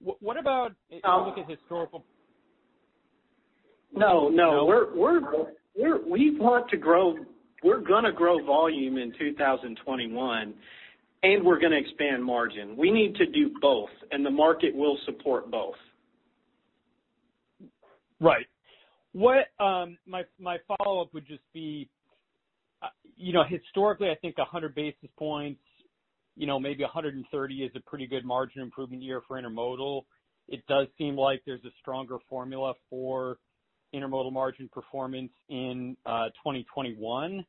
What about if you look at historical- No, no. We want to grow. We're going to grow volume in 2021, and we're going to expand margin. We need to do both, and the market will support both. Right. My follow-up would just be, historically, I think 100 basis points, maybe 130 is a pretty good margin improvement year for intermodal. It does seem like there's a stronger formula for intermodal margin performance in 2021.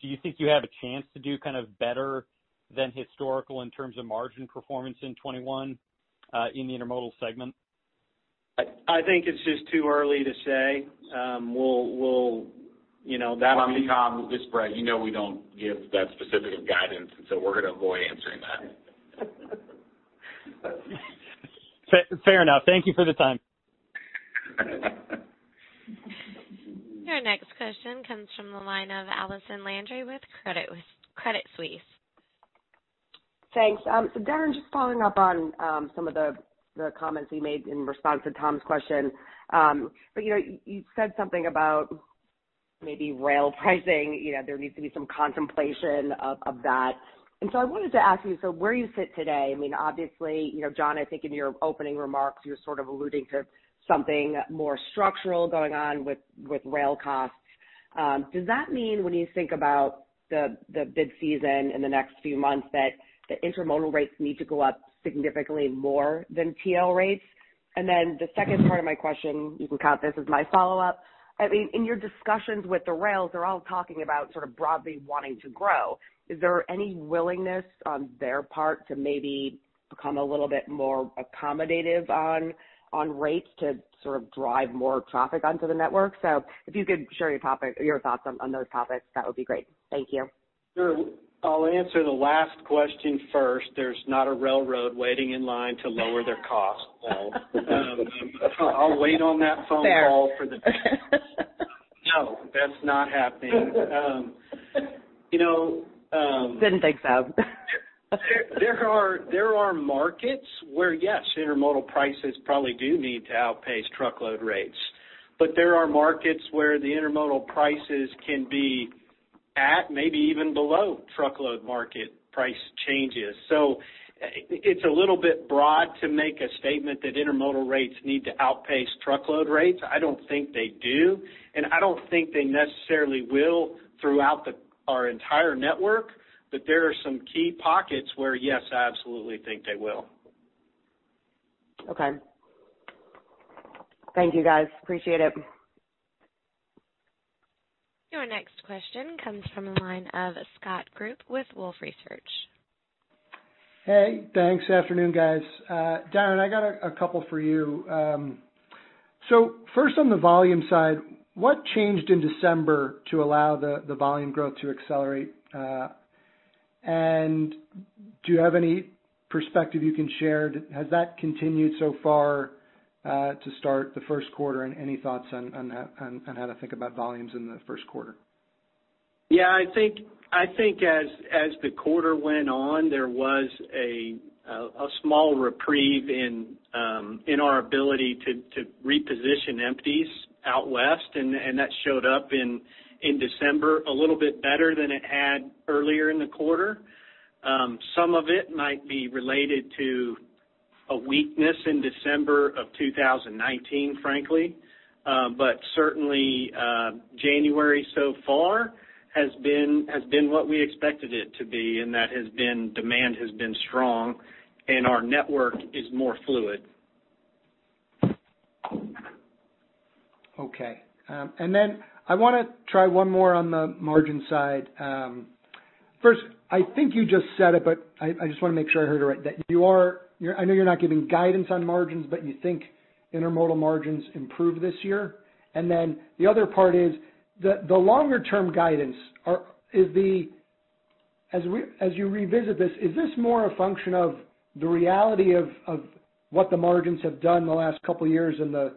Do you think you have a chance to do better than historical in terms of margin performance in 2021, in the intermodal segment? I think it's just too early to say. Tom, this is Brad. You know we don't give that specific of guidance, and so we're going to avoid answering that. Fair enough. Thank you for the time. Your next question comes from the line of Allison Landry with Credit Suisse. Thanks. Darren, just following up on some of the comments you made in response to Tom's question. You said something about maybe rail pricing; there needs to be some contemplation of that. I wanted to ask you, where you sit today, obviously, John, I think in your opening remarks, you were alluding to something more structural going on with rail costs. Does that mean when you think about the big season in the next few months, that the intermodal rates need to go up significantly more than TL rates? The second part of my question, you can count this as my follow-up. In your discussions with the rails, they're all talking about broadly wanting to grow. Is there any willingness on their part to maybe become a little bit more accommodative on rates to drive more traffic onto the network? If you could share your thoughts on those topics, that would be great. Thank you. Sure. I'll answer the last question first. There's not a railroad waiting in line to lower their costs. I'll wait on that phone call for the best. Fair. No, that's not happening. Didn't think so. There are markets where, yes, intermodal prices probably do need to outpace truckload rates. There are markets where the intermodal prices can be at, maybe even below truckload market price changes. It's a little bit broad to make a statement that intermodal rates need to outpace truckload rates. I don't think they do, and I don't think they necessarily will throughout our entire network. There are some key pockets where, yes, I absolutely think they will. Okay. Thank you, guys. Appreciate it. Your next question comes from the line of Scott Group with Wolfe Research. Hey, thanks. Afternoon, guys. Darren, I got a couple for you. First, on the volume side, what changed in December to allow the volume growth to accelerate? Do you have any perspective you can share? Has that continued so far to start the first quarter, and any thoughts on how to think about volumes in the first quarter? Yeah. I think as the quarter went on, there was a small reprieve in our ability to reposition empties out west, and that showed up in December a little bit better than it had earlier in the quarter. Some of it might be related to a weakness in December of 2019, frankly. Certainly, January so far has been what we expected it to be, and that has been demand has been strong, and our network is more fluid. Okay. I want to try one more on the margin side. First, I think you just said it, I just want to make sure I heard it right. I know you're not giving guidance on margins, you think intermodal margins improve this year. The other part is the longer-term guidance. As you revisit this, is this more a function of the reality of what the margins have done in the last couple of years in the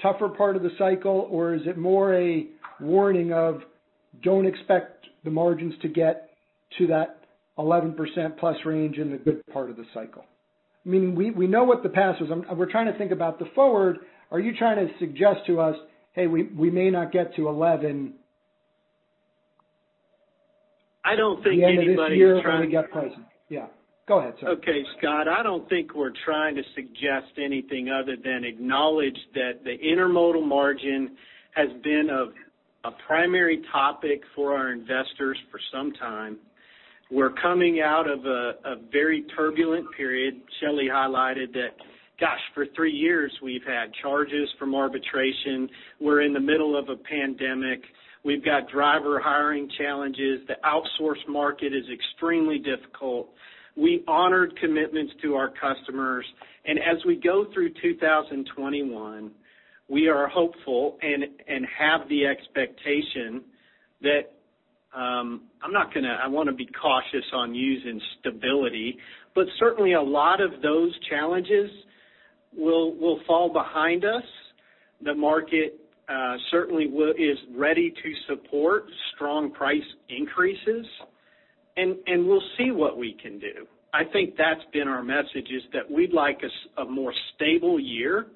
tougher part of the cycle, or is it more a warning of, don't expect the margins to get to that 11% plus range in the good part of the cycle? Meaning, we know what the past was. We're trying to think about the forward. Are you trying to suggest to us, Hey, we may not get to 11- I don't think anybody is trying. The end of this year when we get pricing. Yeah. Go ahead, sir. Okay, Scott. I don't think we're trying to suggest anything other than acknowledge that the intermodal margin has been a primary topic for our investors for some time. We're coming out of a very turbulent period. Shelley highlighted that, gosh, for three years, we've had charges from arbitration. We're in the middle of a pandemic. We've got driver hiring challenges. The outsource market is extremely difficult. We honored commitments to our customers. As we go through 2021, we are hopeful and have the expectation that I want to be cautious on using stability, but certainly a lot of those challenges will fall behind us. The market certainly is ready to support strong price increases, and we'll see what we can do. I think that's been our message, is that we'd like a more stable year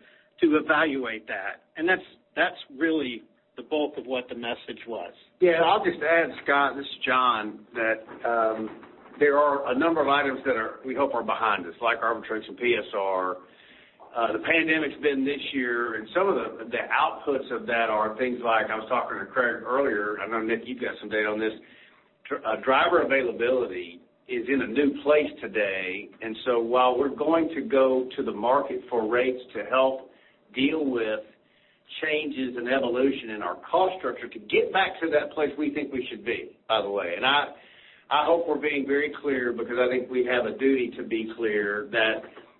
to evaluate that, and that's really the bulk of what the message was. Yeah. I'll just add, Scott, this is John, that there are a number of items that we hope are behind us, like arbitration, PSR. The pandemic's been this year, and some of the outputs of that are things like, I was talking to Craig earlier. I know, Nick, you've got some data on this. Driver availability is in a new place today. While we're going to go to the market for rates to help deal with changes and evolution in our cost structure to get back to that place we think we should be, by the way. I hope we're being very clear because I think we have a duty to be clear that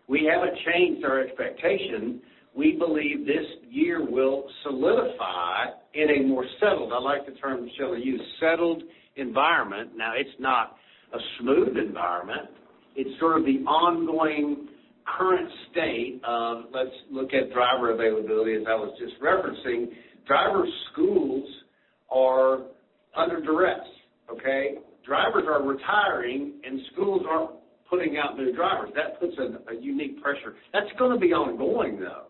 we haven't changed our expectation. We believe this year will solidify in a more settled, I like the term Shelley used, settled environment. Now, it's not a smooth environment. It's sort of the ongoing current state of let's look at driver availability, as I was just referencing. Driver schools are under duress. Okay? Drivers are retiring, and schools aren't putting out new drivers. That puts a unique pressure. That's going to be ongoing, though.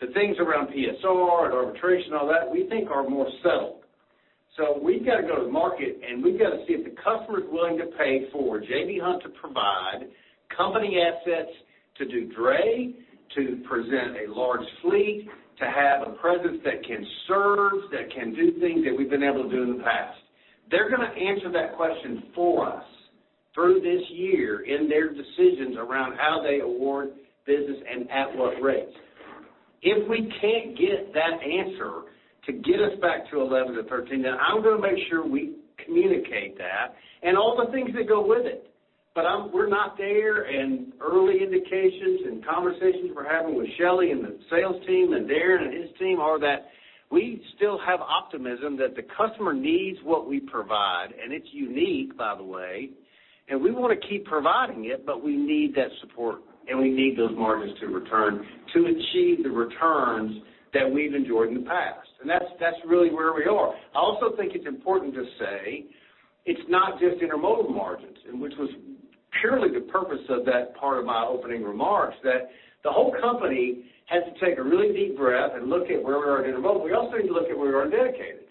The things around PSR and arbitration, all that, we think are more settled. We've got to go to the market, and we've got to see if the customer is willing to pay for J.B. Hunt to provide company assets to do dray, to present a large fleet, to have a presence that can serve, that can do things that we've been able to do in the past. They're going to answer that question for us through this year in their decisions around how they award business and at what rates. If we can't get that answer to get us back to 11-13, I'm going to make sure we communicate that and all the things that go with it. We're not there. Early indications and conversations we're having with Shelley and the sales team, and Darren and his team are that we still have optimism that the customer needs what we provide. It's unique, by the way, we want to keep providing it, we need that support, we need those margins to return to achieve the returns that we've enjoyed in the past. That's really where we are. I also think it's important to say it's not just intermodal margins, which was purely the purpose of that part of my opening remarks, that the whole company has to take a really deep breath and look at where we are intermodal. We also need to look at where we are in Dedicated,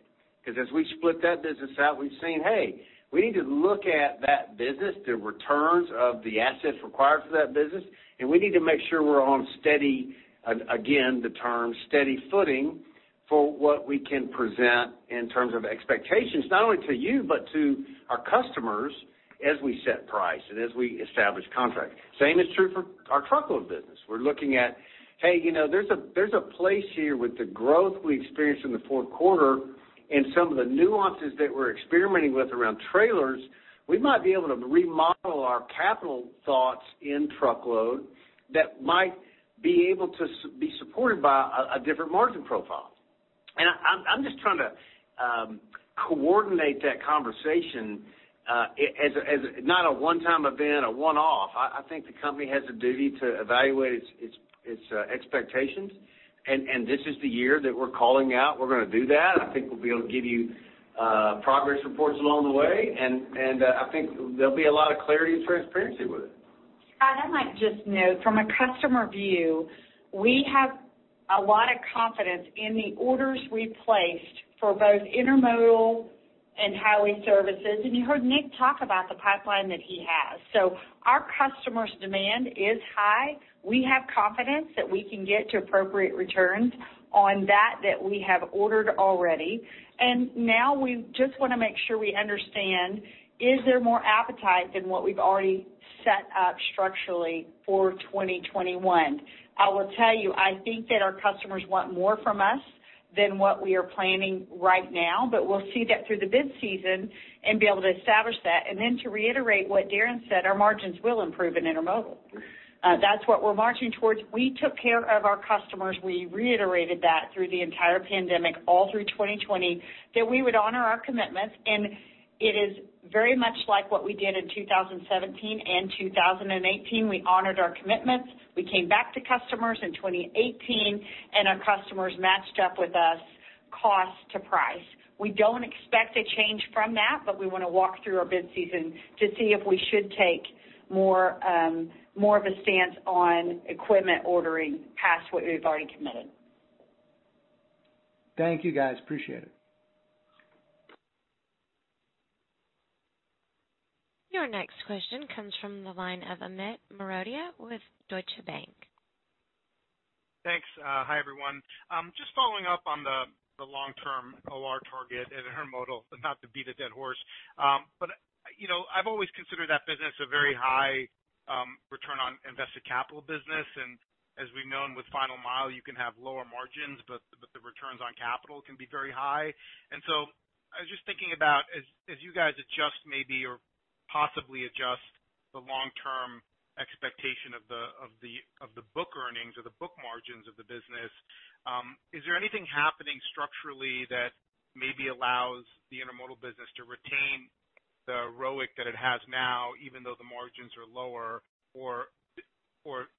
because as we split that business out, we've seen, hey, we need to look at that business, the returns of the assets required for that business, and we need to make sure we're on steady, again, the term steady footing for what we can present in terms of expectations, not only to you but to our customers as we set price and as we establish contract. Same is true for our Truckload business. We're looking at, hey, there's a place here with the growth we experienced in the fourth quarter and some of the nuances that we're experimenting with around trailers. We might be able to remodel our capital thoughts in Truckload that might be able to be supported by a different margin profile. I'm just trying to coordinate that conversation as not a one-time event, a one-off. I think the company has a duty to evaluate its expectations, and this is the year that we're calling out we're going to do that. I think we'll be able to give you progress reports along the way. I think there'll be a lot of clarity and transparency with it. Scott, I might just note, from a customer view, we have a lot of confidence in the orders we placed for both Intermodal and Highway Services. You heard Nick talk about the pipeline that he has. Our customers' demand is high. We have confidence that we can get to appropriate returns on that we have ordered already. Now we just want to make sure we understand, is there more appetite than what we've already set up structurally for 2021? I will tell you, I think that our customers want more from us than what we are planning right now, but we'll see that through the bid season and be able to establish that. Then to reiterate what Darren said, our margins will improve in Intermodal. That's what we're marching towards. We took care of our customers. We reiterated that through the entire pandemic, all through 2020, that we would honor our commitments. It is very much like what we did in 2017 and 2018. We honored our commitments. We came back to customers in 2018, and our customers matched up with us cost to price. We don't expect a change from that, but we want to walk through our bid season to see if we should take more of a stance on equipment ordering past what we've already committed. Thank you, guys. Appreciate it. Your next question comes from the line of Amit Mehrotra with Deutsche Bank. Thanks. Hi, everyone. Just following up on the long-term OR target in intermodal, not to beat a dead horse. I've always considered that business a very high return on invested capital business. As we've known with Final Mile, you can have lower margins, but the returns on capital can be very high. I was just thinking about as you guys adjust maybe or possibly adjust the long-term expectation of the book earnings or the book margins of the business, is there anything happening structurally that maybe allows the intermodal business to retain the ROIC that it has now, even though the margins are lower or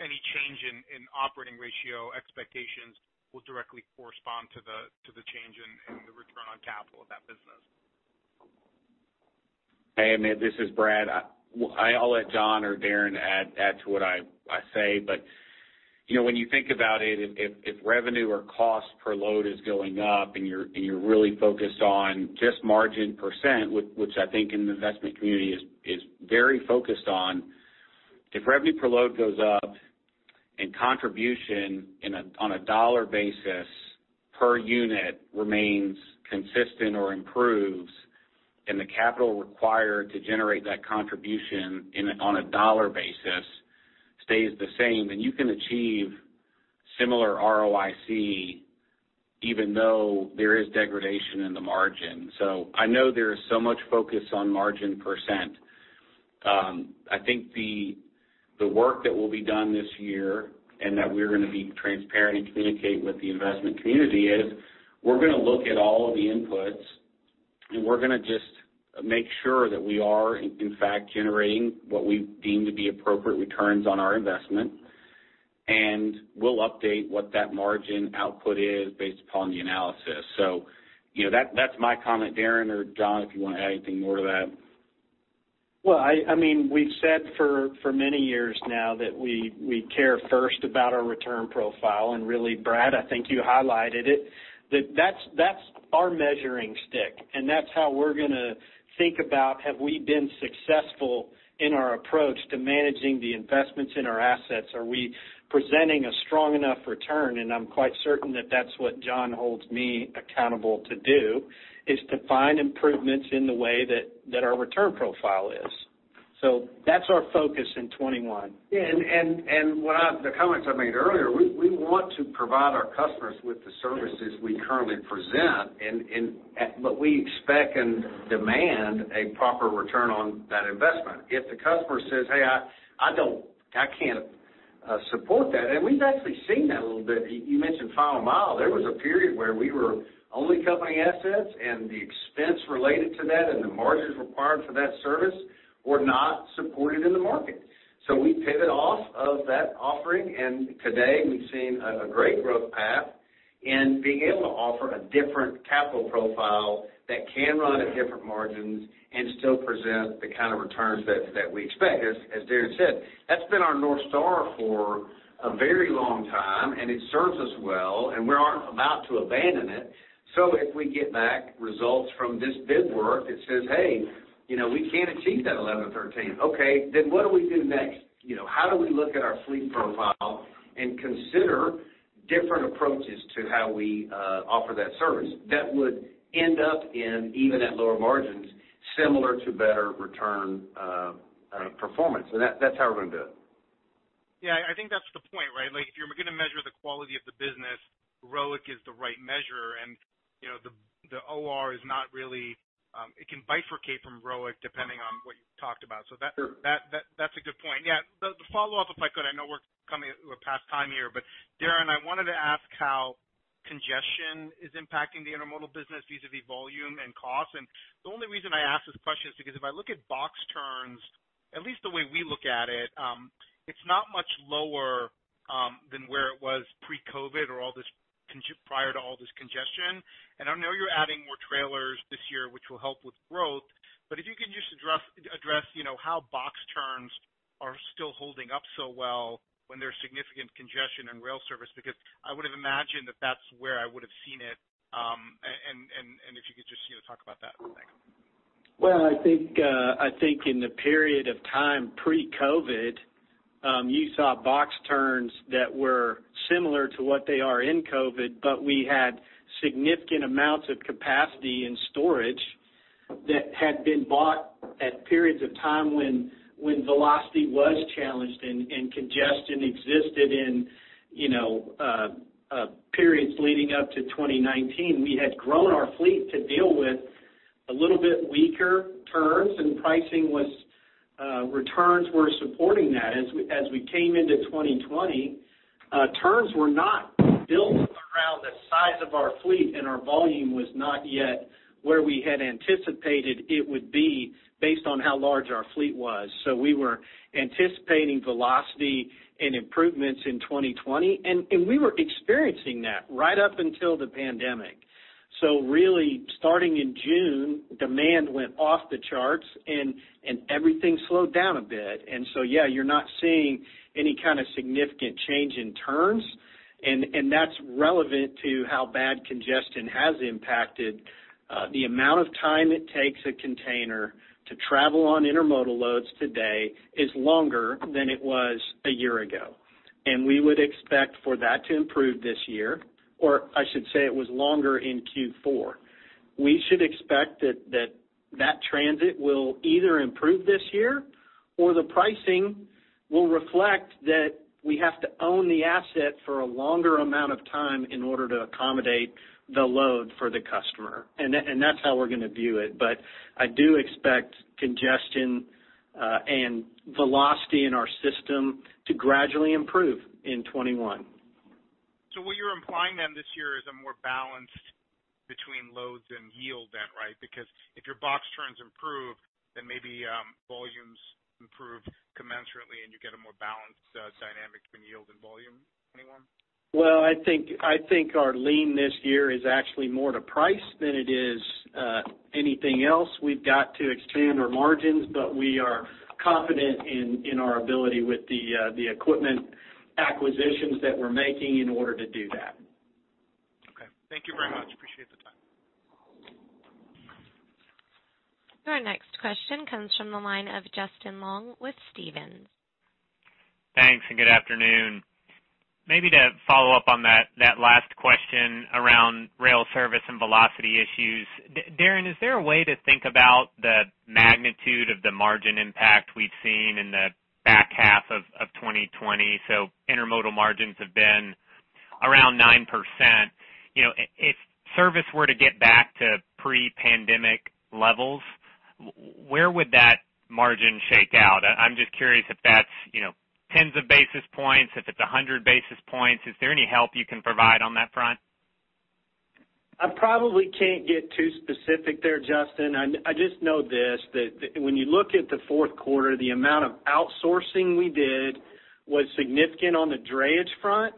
any change in operating ratio expectations will directly correspond to the change in the return on capital of that business? Hey, Amit, this is Brad. I'll let John or Darren add to what I say, but when you think about it, if revenue or cost per load is going up and you're really focused on just margin percent, which I think in the investment community is very focused on. If revenue per load goes up and contribution on a dollar basis per unit remains consistent or improves, and the capital required to generate that contribution on a dollar basis stays the same, then you can achieve similar ROIC even though there is degradation in the margin. I know there is so much focus on margin percent. I think the work that will be done this year and that we're going to be transparent and communicate with the investment community is we're going to look at all of the inputs, and we're going to just make sure that we are in fact generating what we deem to be appropriate returns on our investment. We'll update what that margin output is based upon the analysis. That's my comment. Darren or John, if you want to add anything more to that. Well, we've said for many years now that we care first about our return profile. Really, Brad, I think you highlighted it, that that's our measuring stick, and that's how we're going to think about have we been successful in our approach to managing the investments in our assets. Are we presenting a strong enough return? I'm quite certain that that's what John holds me accountable to do, is to find improvements in the way that our return profile is. That's our focus in 2021. Yeah, the comments I made earlier, we want to provide our customers with the services we currently present. We expect and demand a proper return on that investment. If the customer says, "Hey, I can't support that." We've actually seen that a little bit. You mentioned Final Mile. There was a period where we were only company assets. The expense related to that and the margins required for that service were not supported in the market. We pivot off of that offering. Today we've seen a great growth path in being able to offer a different capital profile that can run at different margins and still present the kind of returns that we expect. As Darren said, that's been our North Star for a very long time. It serves us well. We aren't about to abandon it. If we get back results from this bid work that says, hey, we can't achieve that 11%-13%. Okay, what do we do next? How do we look at our fleet profile and consider different approaches to how we offer that service that would end up in, even at lower margins, similar to better return performance? That's how we're going to do it. Yeah, I think that's the point, right? If you're going to measure the quality of the business, ROIC is the right measure. The OR is not really It can bifurcate from ROIC depending on what you talked about. Sure. That's a good point. Yeah. The follow-up, if I could, I know we're past time here, but Darren, I wanted to ask how congestion is impacting the intermodal business vis-a-vis volume and cost. The only reason I ask this question is because if I look at box turns, at least the way we look at it's not much lower than where it was pre-COVID or prior to all this congestion. I know you're adding more trailers this year, which will help with growth. If you can just address how box turns are still holding up so well when there's significant congestion in rail service, because I would've imagined that that's where I would've seen it. If you could just talk about that. Thanks. I think in the period of time pre-COVID, you saw box turns that were similar to what they are in COVID, but we had significant amounts of capacity and storage that had been bought at periods of time when velocity was challenged, and congestion existed in periods leading up to 2019. We had grown our fleet to deal with a little bit weaker turns, returns were supporting that. As we came into 2020, turns were not built around the size of our fleet; our volume was not yet where we had anticipated it would be based on how large our fleet was. We were anticipating velocity and improvements in 2020; we were experiencing that right up until the pandemic. Really starting in June, demand went off the charts everything slowed down a bit. Yeah, you're not seeing any kind of significant change in turns, and that's relevant to how bad congestion has impacted the amount of time it takes a container to travel on intermodal loads today is longer than it was a year ago. We would expect for that to improve this year, or I should say it was longer in Q4. We should expect that that transit will either improve this year or the pricing will reflect that we have to own the asset for a longer amount of time in order to accommodate the load for the customer. That's how we're going to view it. I do expect congestion and velocity in our system to gradually improve in 2021. What you're implying then this year is a more balanced between loads and yield then, right? If your box turns improve, then maybe volumes improve commensurately, and you get a more balanced dynamic between yield and volume in 2021. Well, I think our lean this year is actually more to price than it is anything else. We've got to expand our margins. We are confident in our ability with the equipment acquisitions that we're making in order to do that. Okay. Thank you very much. Appreciate the time. Our next question comes from the line of Justin Long with Stephens. Thanks, and good afternoon. Maybe to follow up on that last question around rail service and velocity issues. Darren, is there a way to think about the magnitude of the margin impact we've seen in the back half of 2020? Intermodal margins have been around 9%. If service were to get back to pre-pandemic levels, where would that margin shake out? I'm just curious if that's 10 of basis points, if it's 100 basis points. Is there any help you can provide on that front? I probably can't get too specific there, Justin. I just know this, that when you look at the fourth quarter, the amount of outsourcing we did was significant on the drayage front.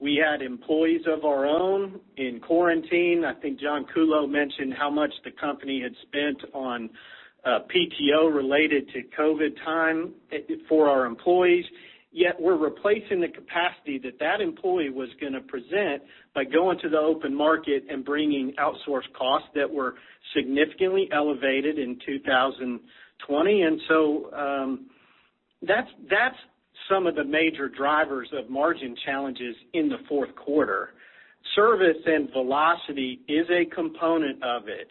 We had employees of our own in quarantine. I think John Kuhlow mentioned how much the company had spent on PTO related to COVID time for our employees. We're replacing the capacity that that employee was going to present by going to the open market and bringing outsourced costs that were significantly elevated in 2020. That's some of the major drivers of margin challenges in the fourth quarter. Service and velocity is a component of it.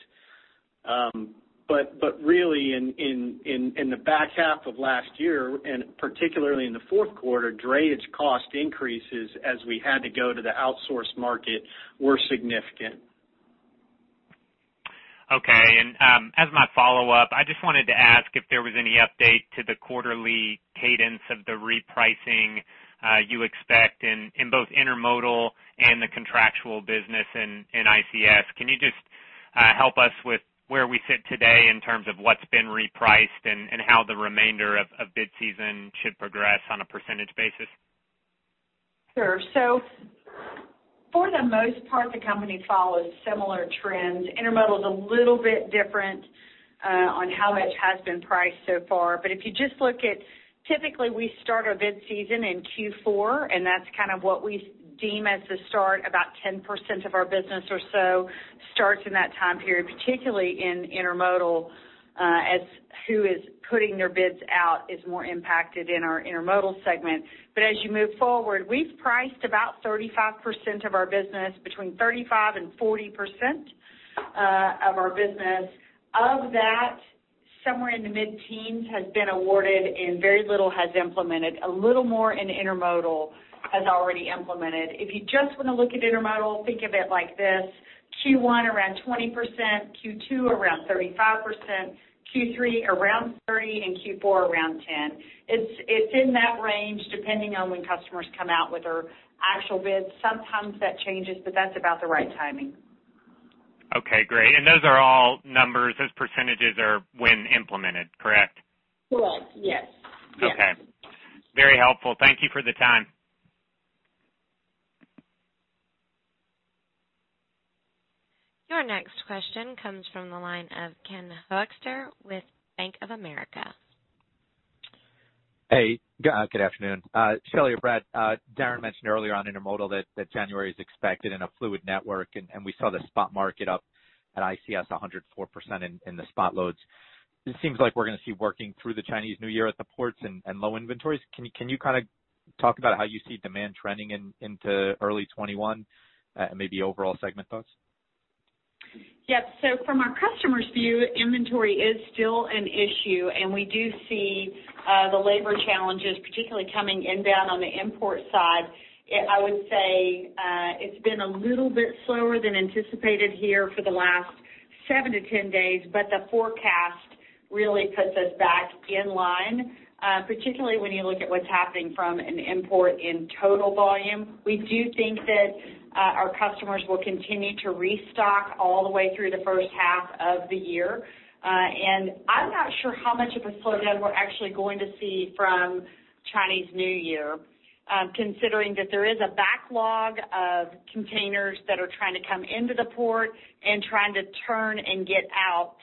Really, in the back half of last year, and particularly in the fourth quarter, drayage cost increases as we had to go to the outsourced market, were significant. Okay. As my follow-up, I just wanted to ask if there was any update to the quarterly cadence of the repricing you expect in both intermodal and the contractual business in ICS. Can you just help us with where we sit today in terms of what's been repriced and how the remainder of bid season should progress on a percentage basis? Sure. For the most part, the company follows similar trends. Intermodal is a little bit different on how it has been priced so far. If you just look at, typically we start our bid season in Q4, and that's what we deem as the start. About 10% of our business or so starts in that time period, particularly in Intermodal, as who is putting their bids out is more impacted in our Intermodal segment. As you move forward, we've priced about 35% of our business, between 35%-40% of our business. Of that, somewhere in the mid-teens has been awarded, and very little has been implemented. A little more in Intermodal has already been implemented. If you just want to look at Intermodal, think of it like this. Q1 around 20%, Q2 around 35%, Q3 around 30%, and Q4 around 10%. It's in that range, depending on when customers come out with their actual bids. Sometimes that changes, but that's about the right timing. Okay, great. Those are all numbers, those percentages are when implemented, correct? Correct. Yes. Okay. Very helpful. Thank you for the time. Your next question comes from the line of Ken Hoexter with Bank of America. Hey, good afternoon. Shelley or Brad, Darren mentioned earlier on intermodal that January is expected in a fluid network, and we saw the spot market up at ICS, 104% in the spot loads. It seems like we're going to see working through the Chinese New Year at the ports and low inventories. Can you talk about how you see demand trending into early 2021, maybe overall segment thoughts? From our customer's view, inventory is still an issue, and we do see the labor challenges, particularly coming in down on the import side. I would say it's been a little bit slower than anticipated here for the last seven to 10 days. The forecast really puts us back in line, particularly when you look at what's happening from an import in total volume. We do think that our customers will continue to restock all the way through the first half of the year. I'm not sure how much of a slowdown we're actually going to see from Chinese New Year, considering that there is a backlog of containers that are trying to come into the port and trying to turn and get out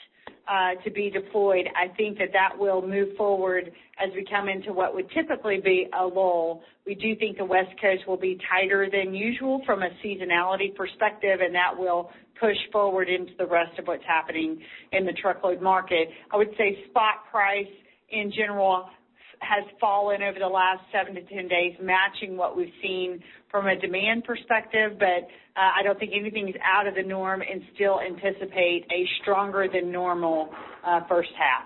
to be deployed. I think that that will move forward as we come into what would typically be a lull. We do think the West Coast will be tighter than usual from a seasonality perspective, and that will push forward into the rest of what's happening in the truckload market. I would say spot price, in general, has fallen over the last seven to 10 days, matching what we've seen from a demand perspective. I don't think anything is out of the norm and still anticipate a stronger than normal first half.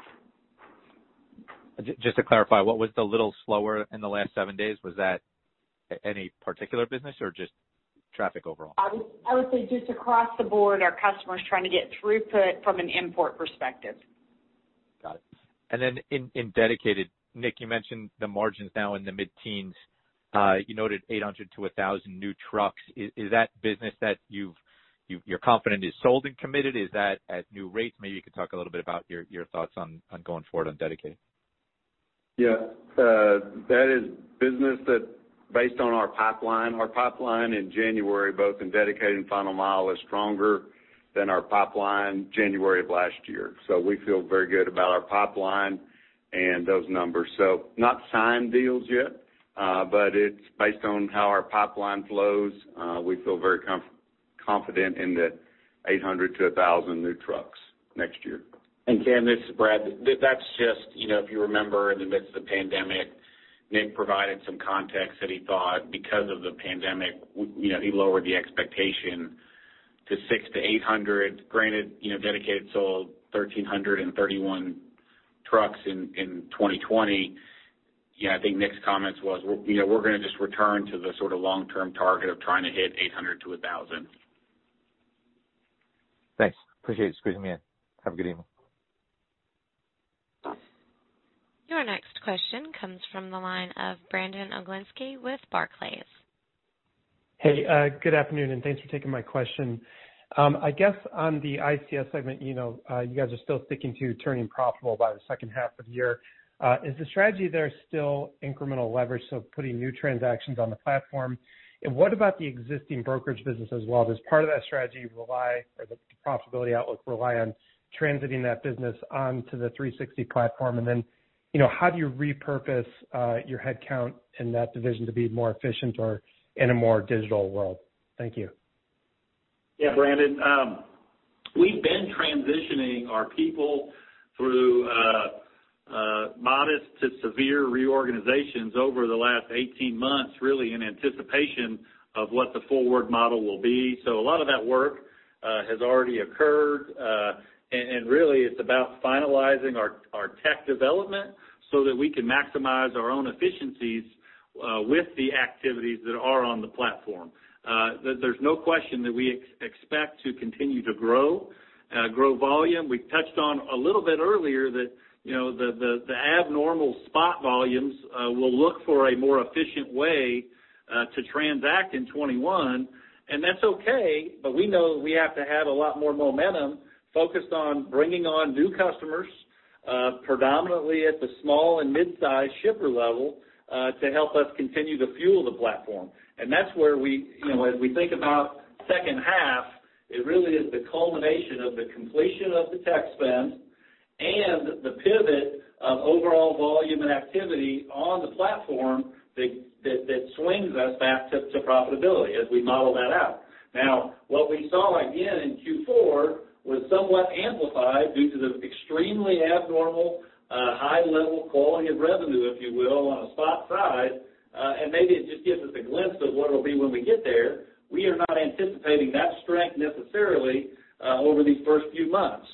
Just to clarify, what was the little slower in the last seven days? Was that any particular business or just traffic overall? I would say just across the board, our customers trying to get throughput from an import perspective. Got it. In Dedicated, Nick, you mentioned the margins now in the mid-teens. You noted 800 to 1,000 new trucks. Is that business that you're confident is sold and committed? Is that at new rates? Maybe you could talk a little bit about your thoughts on going forward on Dedicated. Yeah. That is business that based on our pipeline. Our pipeline in January, both in Dedicated and Final Mile, is stronger than our pipeline January of last year. We feel very good about our pipeline and those numbers. Not signed deals yet. It's based on how our pipeline flows. We feel very confident in the 800 to 1,000 new trucks next year. Ken, this is Brad. That's just, if you remember, in the midst of the pandemic, Nick provided some context that he thought because of the pandemic, he lowered the expectation to 600 to 800. Granted, Dedicated sold 1,331 trucks in 2020. Yeah, I think Nick's comments was, we're going to just return to the sort of long-term target of trying to hit 800 to 1,000. Thanks. Appreciate you squeezing me in. Have a good evening. Your next question comes from the line of Brandon Oglenski with Barclays. Hey, good afternoon, and thanks for taking my question. I guess on the ICS segment, you guys are still sticking to turning profitable by the second half of the year. Is the strategy there still incremental leverage, so putting new transactions on the platform? What about the existing brokerage business as well? Does part of that strategy rely or the profitability outlook rely on transiting that business onto the 360 platform? How do you repurpose your headcount in that division to be more efficient or in a more digital world? Thank you. Yeah, Brandon. We've been transitioning our people through modest to severe reorganizations over the last 18 months, really in anticipation of what the forward model will be. A lot of that work has already occurred. Really, it's about finalizing our tech development so that we can maximize our own efficiencies with the activities that are on the Platform. There's no question that we expect to continue to grow volume. We touched on a little bit earlier that the abnormal spot volumes will look for a more efficient way to transact in 2021, and that's okay. We know that we have to have a lot more momentum focused on bringing on new customers, predominantly at the small and mid-size shipper level, to help us continue to fuel the Platform. That's where we, as we think about the second half, it really is the culmination of the completion of the tech spend and the pivot of overall volume and activity on the platform that swings us back to profitability as we model that out. What we saw again in Q4 was somewhat amplified due to the extremely abnormal high level quality of revenue, if you will, on a spot side. Maybe it just gives us a glimpse of what it'll be when we get there. We are not anticipating that strength necessarily over these first few months.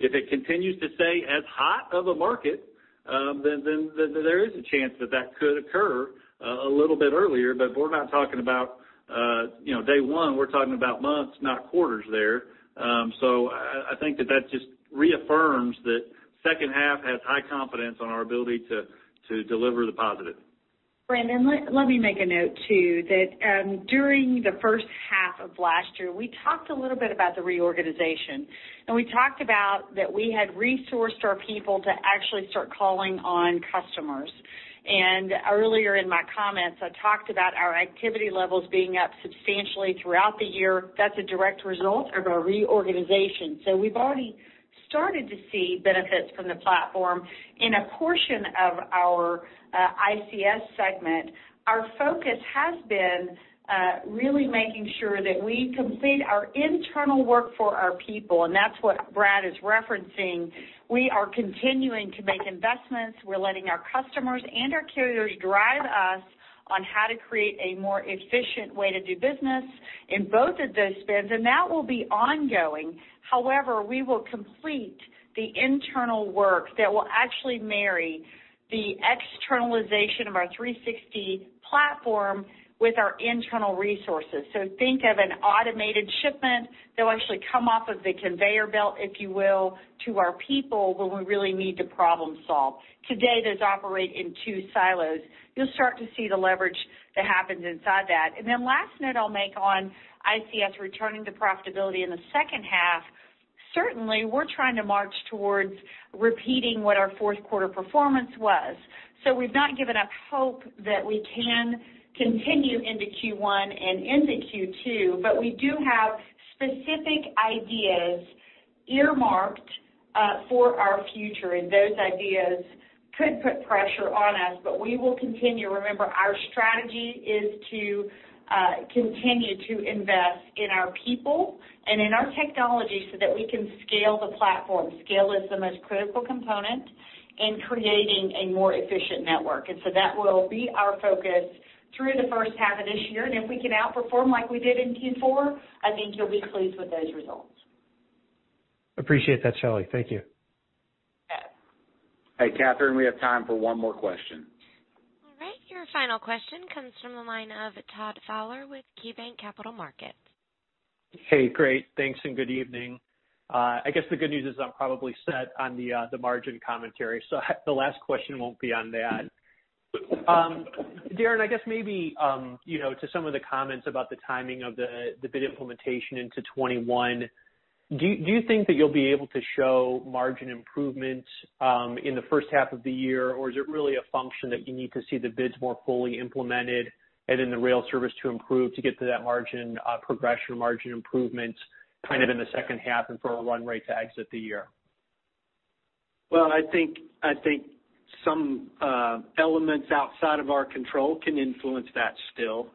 If it continues to stay as hot of a market, then there is a chance that that could occur a little bit earlier, but we're not talking about day one. We're talking about months, not quarters there. I think that that just reaffirms that second half has high confidence on our ability to deliver the positive. Brandon, let me make a note, too, that during the first half of last year, we talked a little bit about the reorganization. We talked about that we had resourced our people to actually start calling on customers. Earlier in my comments, I talked about our activity levels being up substantially throughout the year. That's a direct result of our reorganization. We've already started to see benefits from the platform in a portion of our ICS segment. Our focus has been really making sure that we complete our internal work for our people, and that's what Brad is referencing. We are continuing to make investments. We're letting our customers and our carriers drive us on how to create a more efficient way to do business in both of those bids, and that will be ongoing. However, we will complete the internal work that will actually marry the externalization of our 360° platform with our internal resources. Think of an automated shipment that will actually come off of the conveyor belt, if you will, to our people when we really need to problem solve. Today, those operate in two silos. You'll start to see the leverage that happens inside that. Then last note I'll make on ICS returning to profitability in the second half, certainly, we're trying to march towards repeating what our fourth quarter performance was. We've not given up hope that we can continue into Q1 and into Q2, but we do have specific ideas earmarked for our future, and those ideas could put pressure on us, but we will continue. Remember, our strategy is to continue to invest in our people and in our technology so that we can scale the platform. Scale is the most critical component in creating a more efficient network. That will be our focus through the first half of this year, and if we can outperform like we did in Q4, I think you'll be pleased with those results. Appreciate that, Shelley. Thank you. Yes. Hey, Catherine, we have time for one more question. All right. Your final question comes from the line of Todd Fowler with KeyBanc Capital Markets. Hey, great. Thanks ,and good evening. I guess the good news is I'm probably set on the margin commentary. The last question won't be on that. Darren, I guess maybe, to some of the comments about the timing of the bid implementation into 2021, do you think that you'll be able to show margin improvement in the first half of the year, is it really a function that you need to see the bids more fully implemented and then the rail service to improve to get to that progression margin improvements kind of in the second half and for a run rate to exit the year? I think some elements outside of our control can influence that still.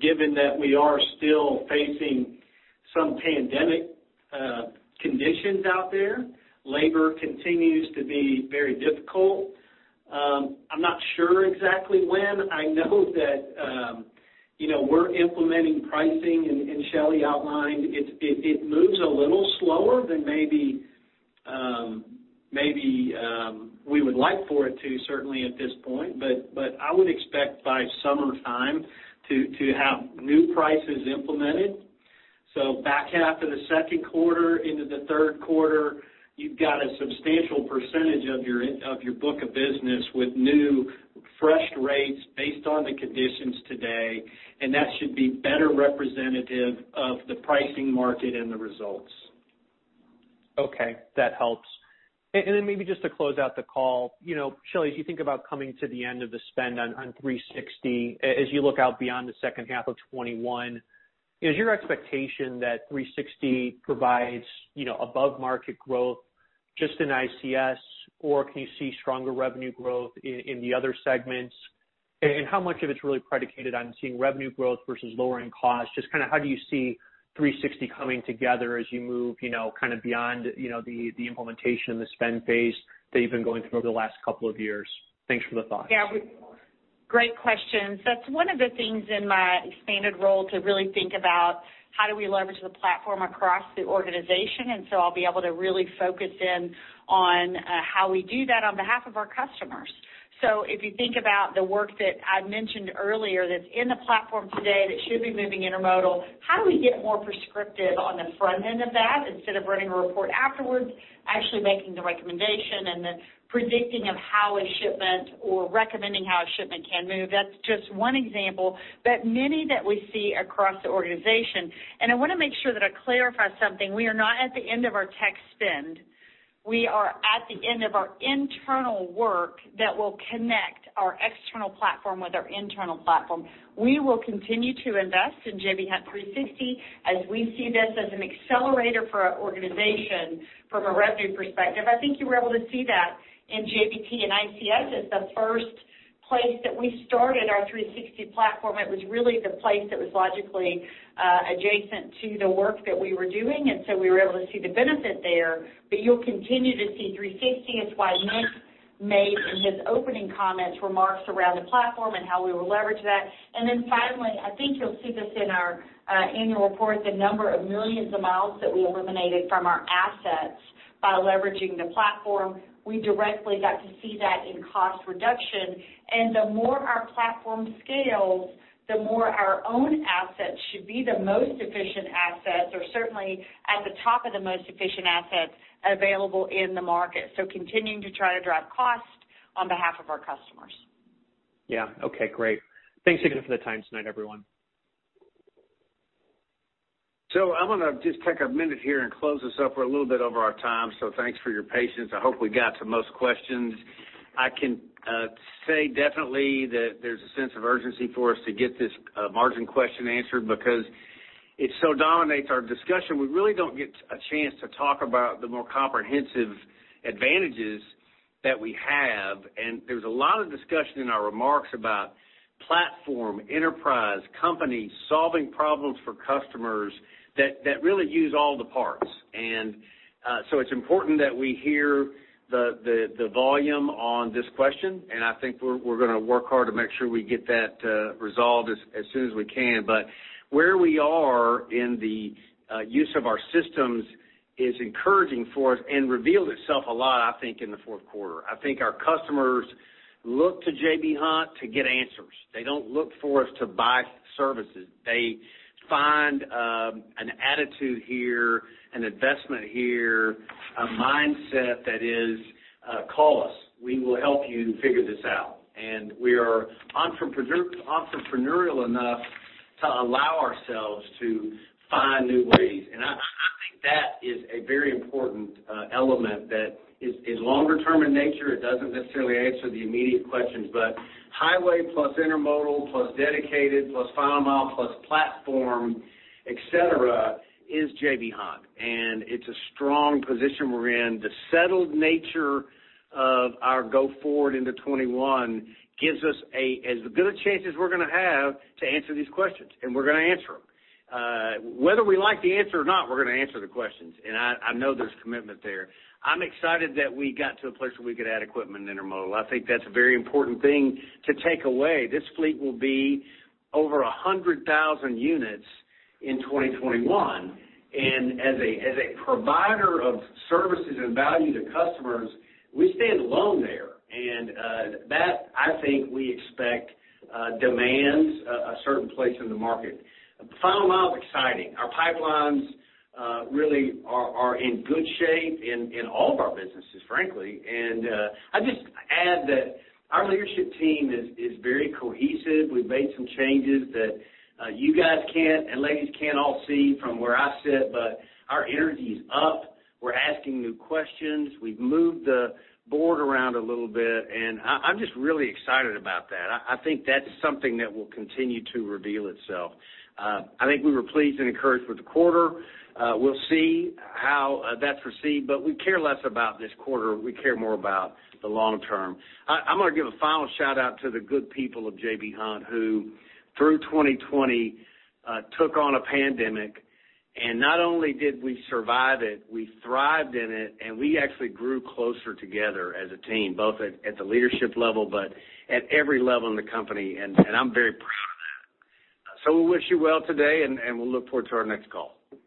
Given that we are still facing some pandemic conditions out there, labor continues to be very difficult. I am not sure exactly when. I know that we are implementing pricing, and Shelley outlined, it moves a little slower than maybe we would like for it to, certainly at this point. I would expect by summertime to have new prices implemented. Back half of the second quarter into the third quarter, you have got a substantial percentage of your book of business with new fresh rates based on the conditions today, and that should be better representative of the pricing market and the results. Okay. That helps. Then maybe just to close out the call, Shelley, as you think about coming to the end of the spend on 360, as you look out beyond the second half of 2021, is your expectation that 360 provides above-market growth just in ICS, or can you see stronger revenue growth in the other segments? How much of it's really predicated on seeing revenue growth versus lowering costs? Just how do you see 360 coming together as you move beyond the implementation and the spend phase that you've been going through over the last couple of years? Thanks for the thoughts. Yeah. Great questions. I'll be able to really focus in on how we do that on behalf of our customers. If you think about the work that I mentioned earlier that's in the platform today that should be moving intermodal, how do we get more prescriptive on the front end of that instead of running a report afterwards, actually making the recommendation and the predicting of how a shipment or recommending how a shipment can move? That's just one example, but many that we see across the organization. I want to make sure that I clarify something. We are not at the end of our tech spend. We are at the end of our internal work that will connect our external platform with our internal platform. We will continue to invest in J.B. Hunt 360 as we see this as an accelerator for our organization from a revenue perspective. I think you were able to see that in JBT and ICS as the first place that we started our 360 platform. It was really the place that was logically adjacent to the work that we were doing. We were able to see the benefit there. You'll continue to see 360. It's why Nick made, in his opening comments, remarks around the platform and how we will leverage that. Finally, I think you'll see this in our annual report, the number of millions of miles that we eliminated from our assets. By leveraging the platform, we directly got to see that in cost reduction. The more our platform scales, the more our own assets should be the most efficient assets, or certainly at the top of the most efficient assets available in the market. Continuing to try to drive cost on behalf of our customers. Yeah. Okay, great. Thanks again for the time tonight, everyone. I'm going to just take a minute here and close this up. We're a little bit over our time, thanks for your patience. I hope we got to most questions. I can say definitely that there's a sense of urgency for us to get this margin question answered because it so dominates our discussion. We really don't get a chance to talk about the more comprehensive advantages that we have. There's a lot of discussion in our remarks about platform, enterprise, company, solving problems for customers that really use all the parts. It's important that we hear the volume on this question, and I think we're going to work hard to make sure we get that resolved as soon as we can. Where we are in the use of our systems is encouraging for us and revealed itself a lot, I think, in the fourth quarter. I think our customers look to J.B. Hunt to get answers. They don't look for us to buy services. They find an attitude here, an investment here, a mindset that is, "Call us. We will help you figure this out." We are entrepreneurial enough to allow ourselves to find new ways. I think that is a very important element that is longer term in nature. It doesn't necessarily answer the immediate questions, but highway plus Intermodal plus Dedicated plus Final Mile plus platform, et cetera, is J.B. Hunt, and it's a strong position we're in. The settled nature of our go forward into 2021 gives us as good a chance as we're going to have to answer these questions, and we're going to answer them. Whether we like the answer or not, we're going to answer the questions, and I know there's commitment there. I'm excited that we got to a place where we could add equipment intermodal. I think that's a very important thing to take away. This fleet will be over 100,000 units in 2021, and as a provider of services and value to customers, we stand alone there. That, I think we expect demands a certain place in the market. Final Mile is exciting. Our pipelines really are in good shape in all of our businesses, frankly. I'd just add that our leadership team is very cohesive. We've made some changes that you guys can't, and ladies can't all see from where I sit, but our energy is up. We're asking new questions. We've moved the board around a little bit, and I'm just really excited about that. I think that's something that will continue to reveal itself. I think we were pleased and encouraged with the quarter. We'll see how that's received, but we care less about this quarter. We care more about the long term. I'm going to give a final shout-out to the good people of J.B. Hunt, who through 2020, took on a pandemic, and not only did we survive it, we thrived in it, and we actually grew closer together as a team, both at the leadership level, but at every level in the company, and I'm very proud of that. We'll wish you well today, and we'll look forward to our next call.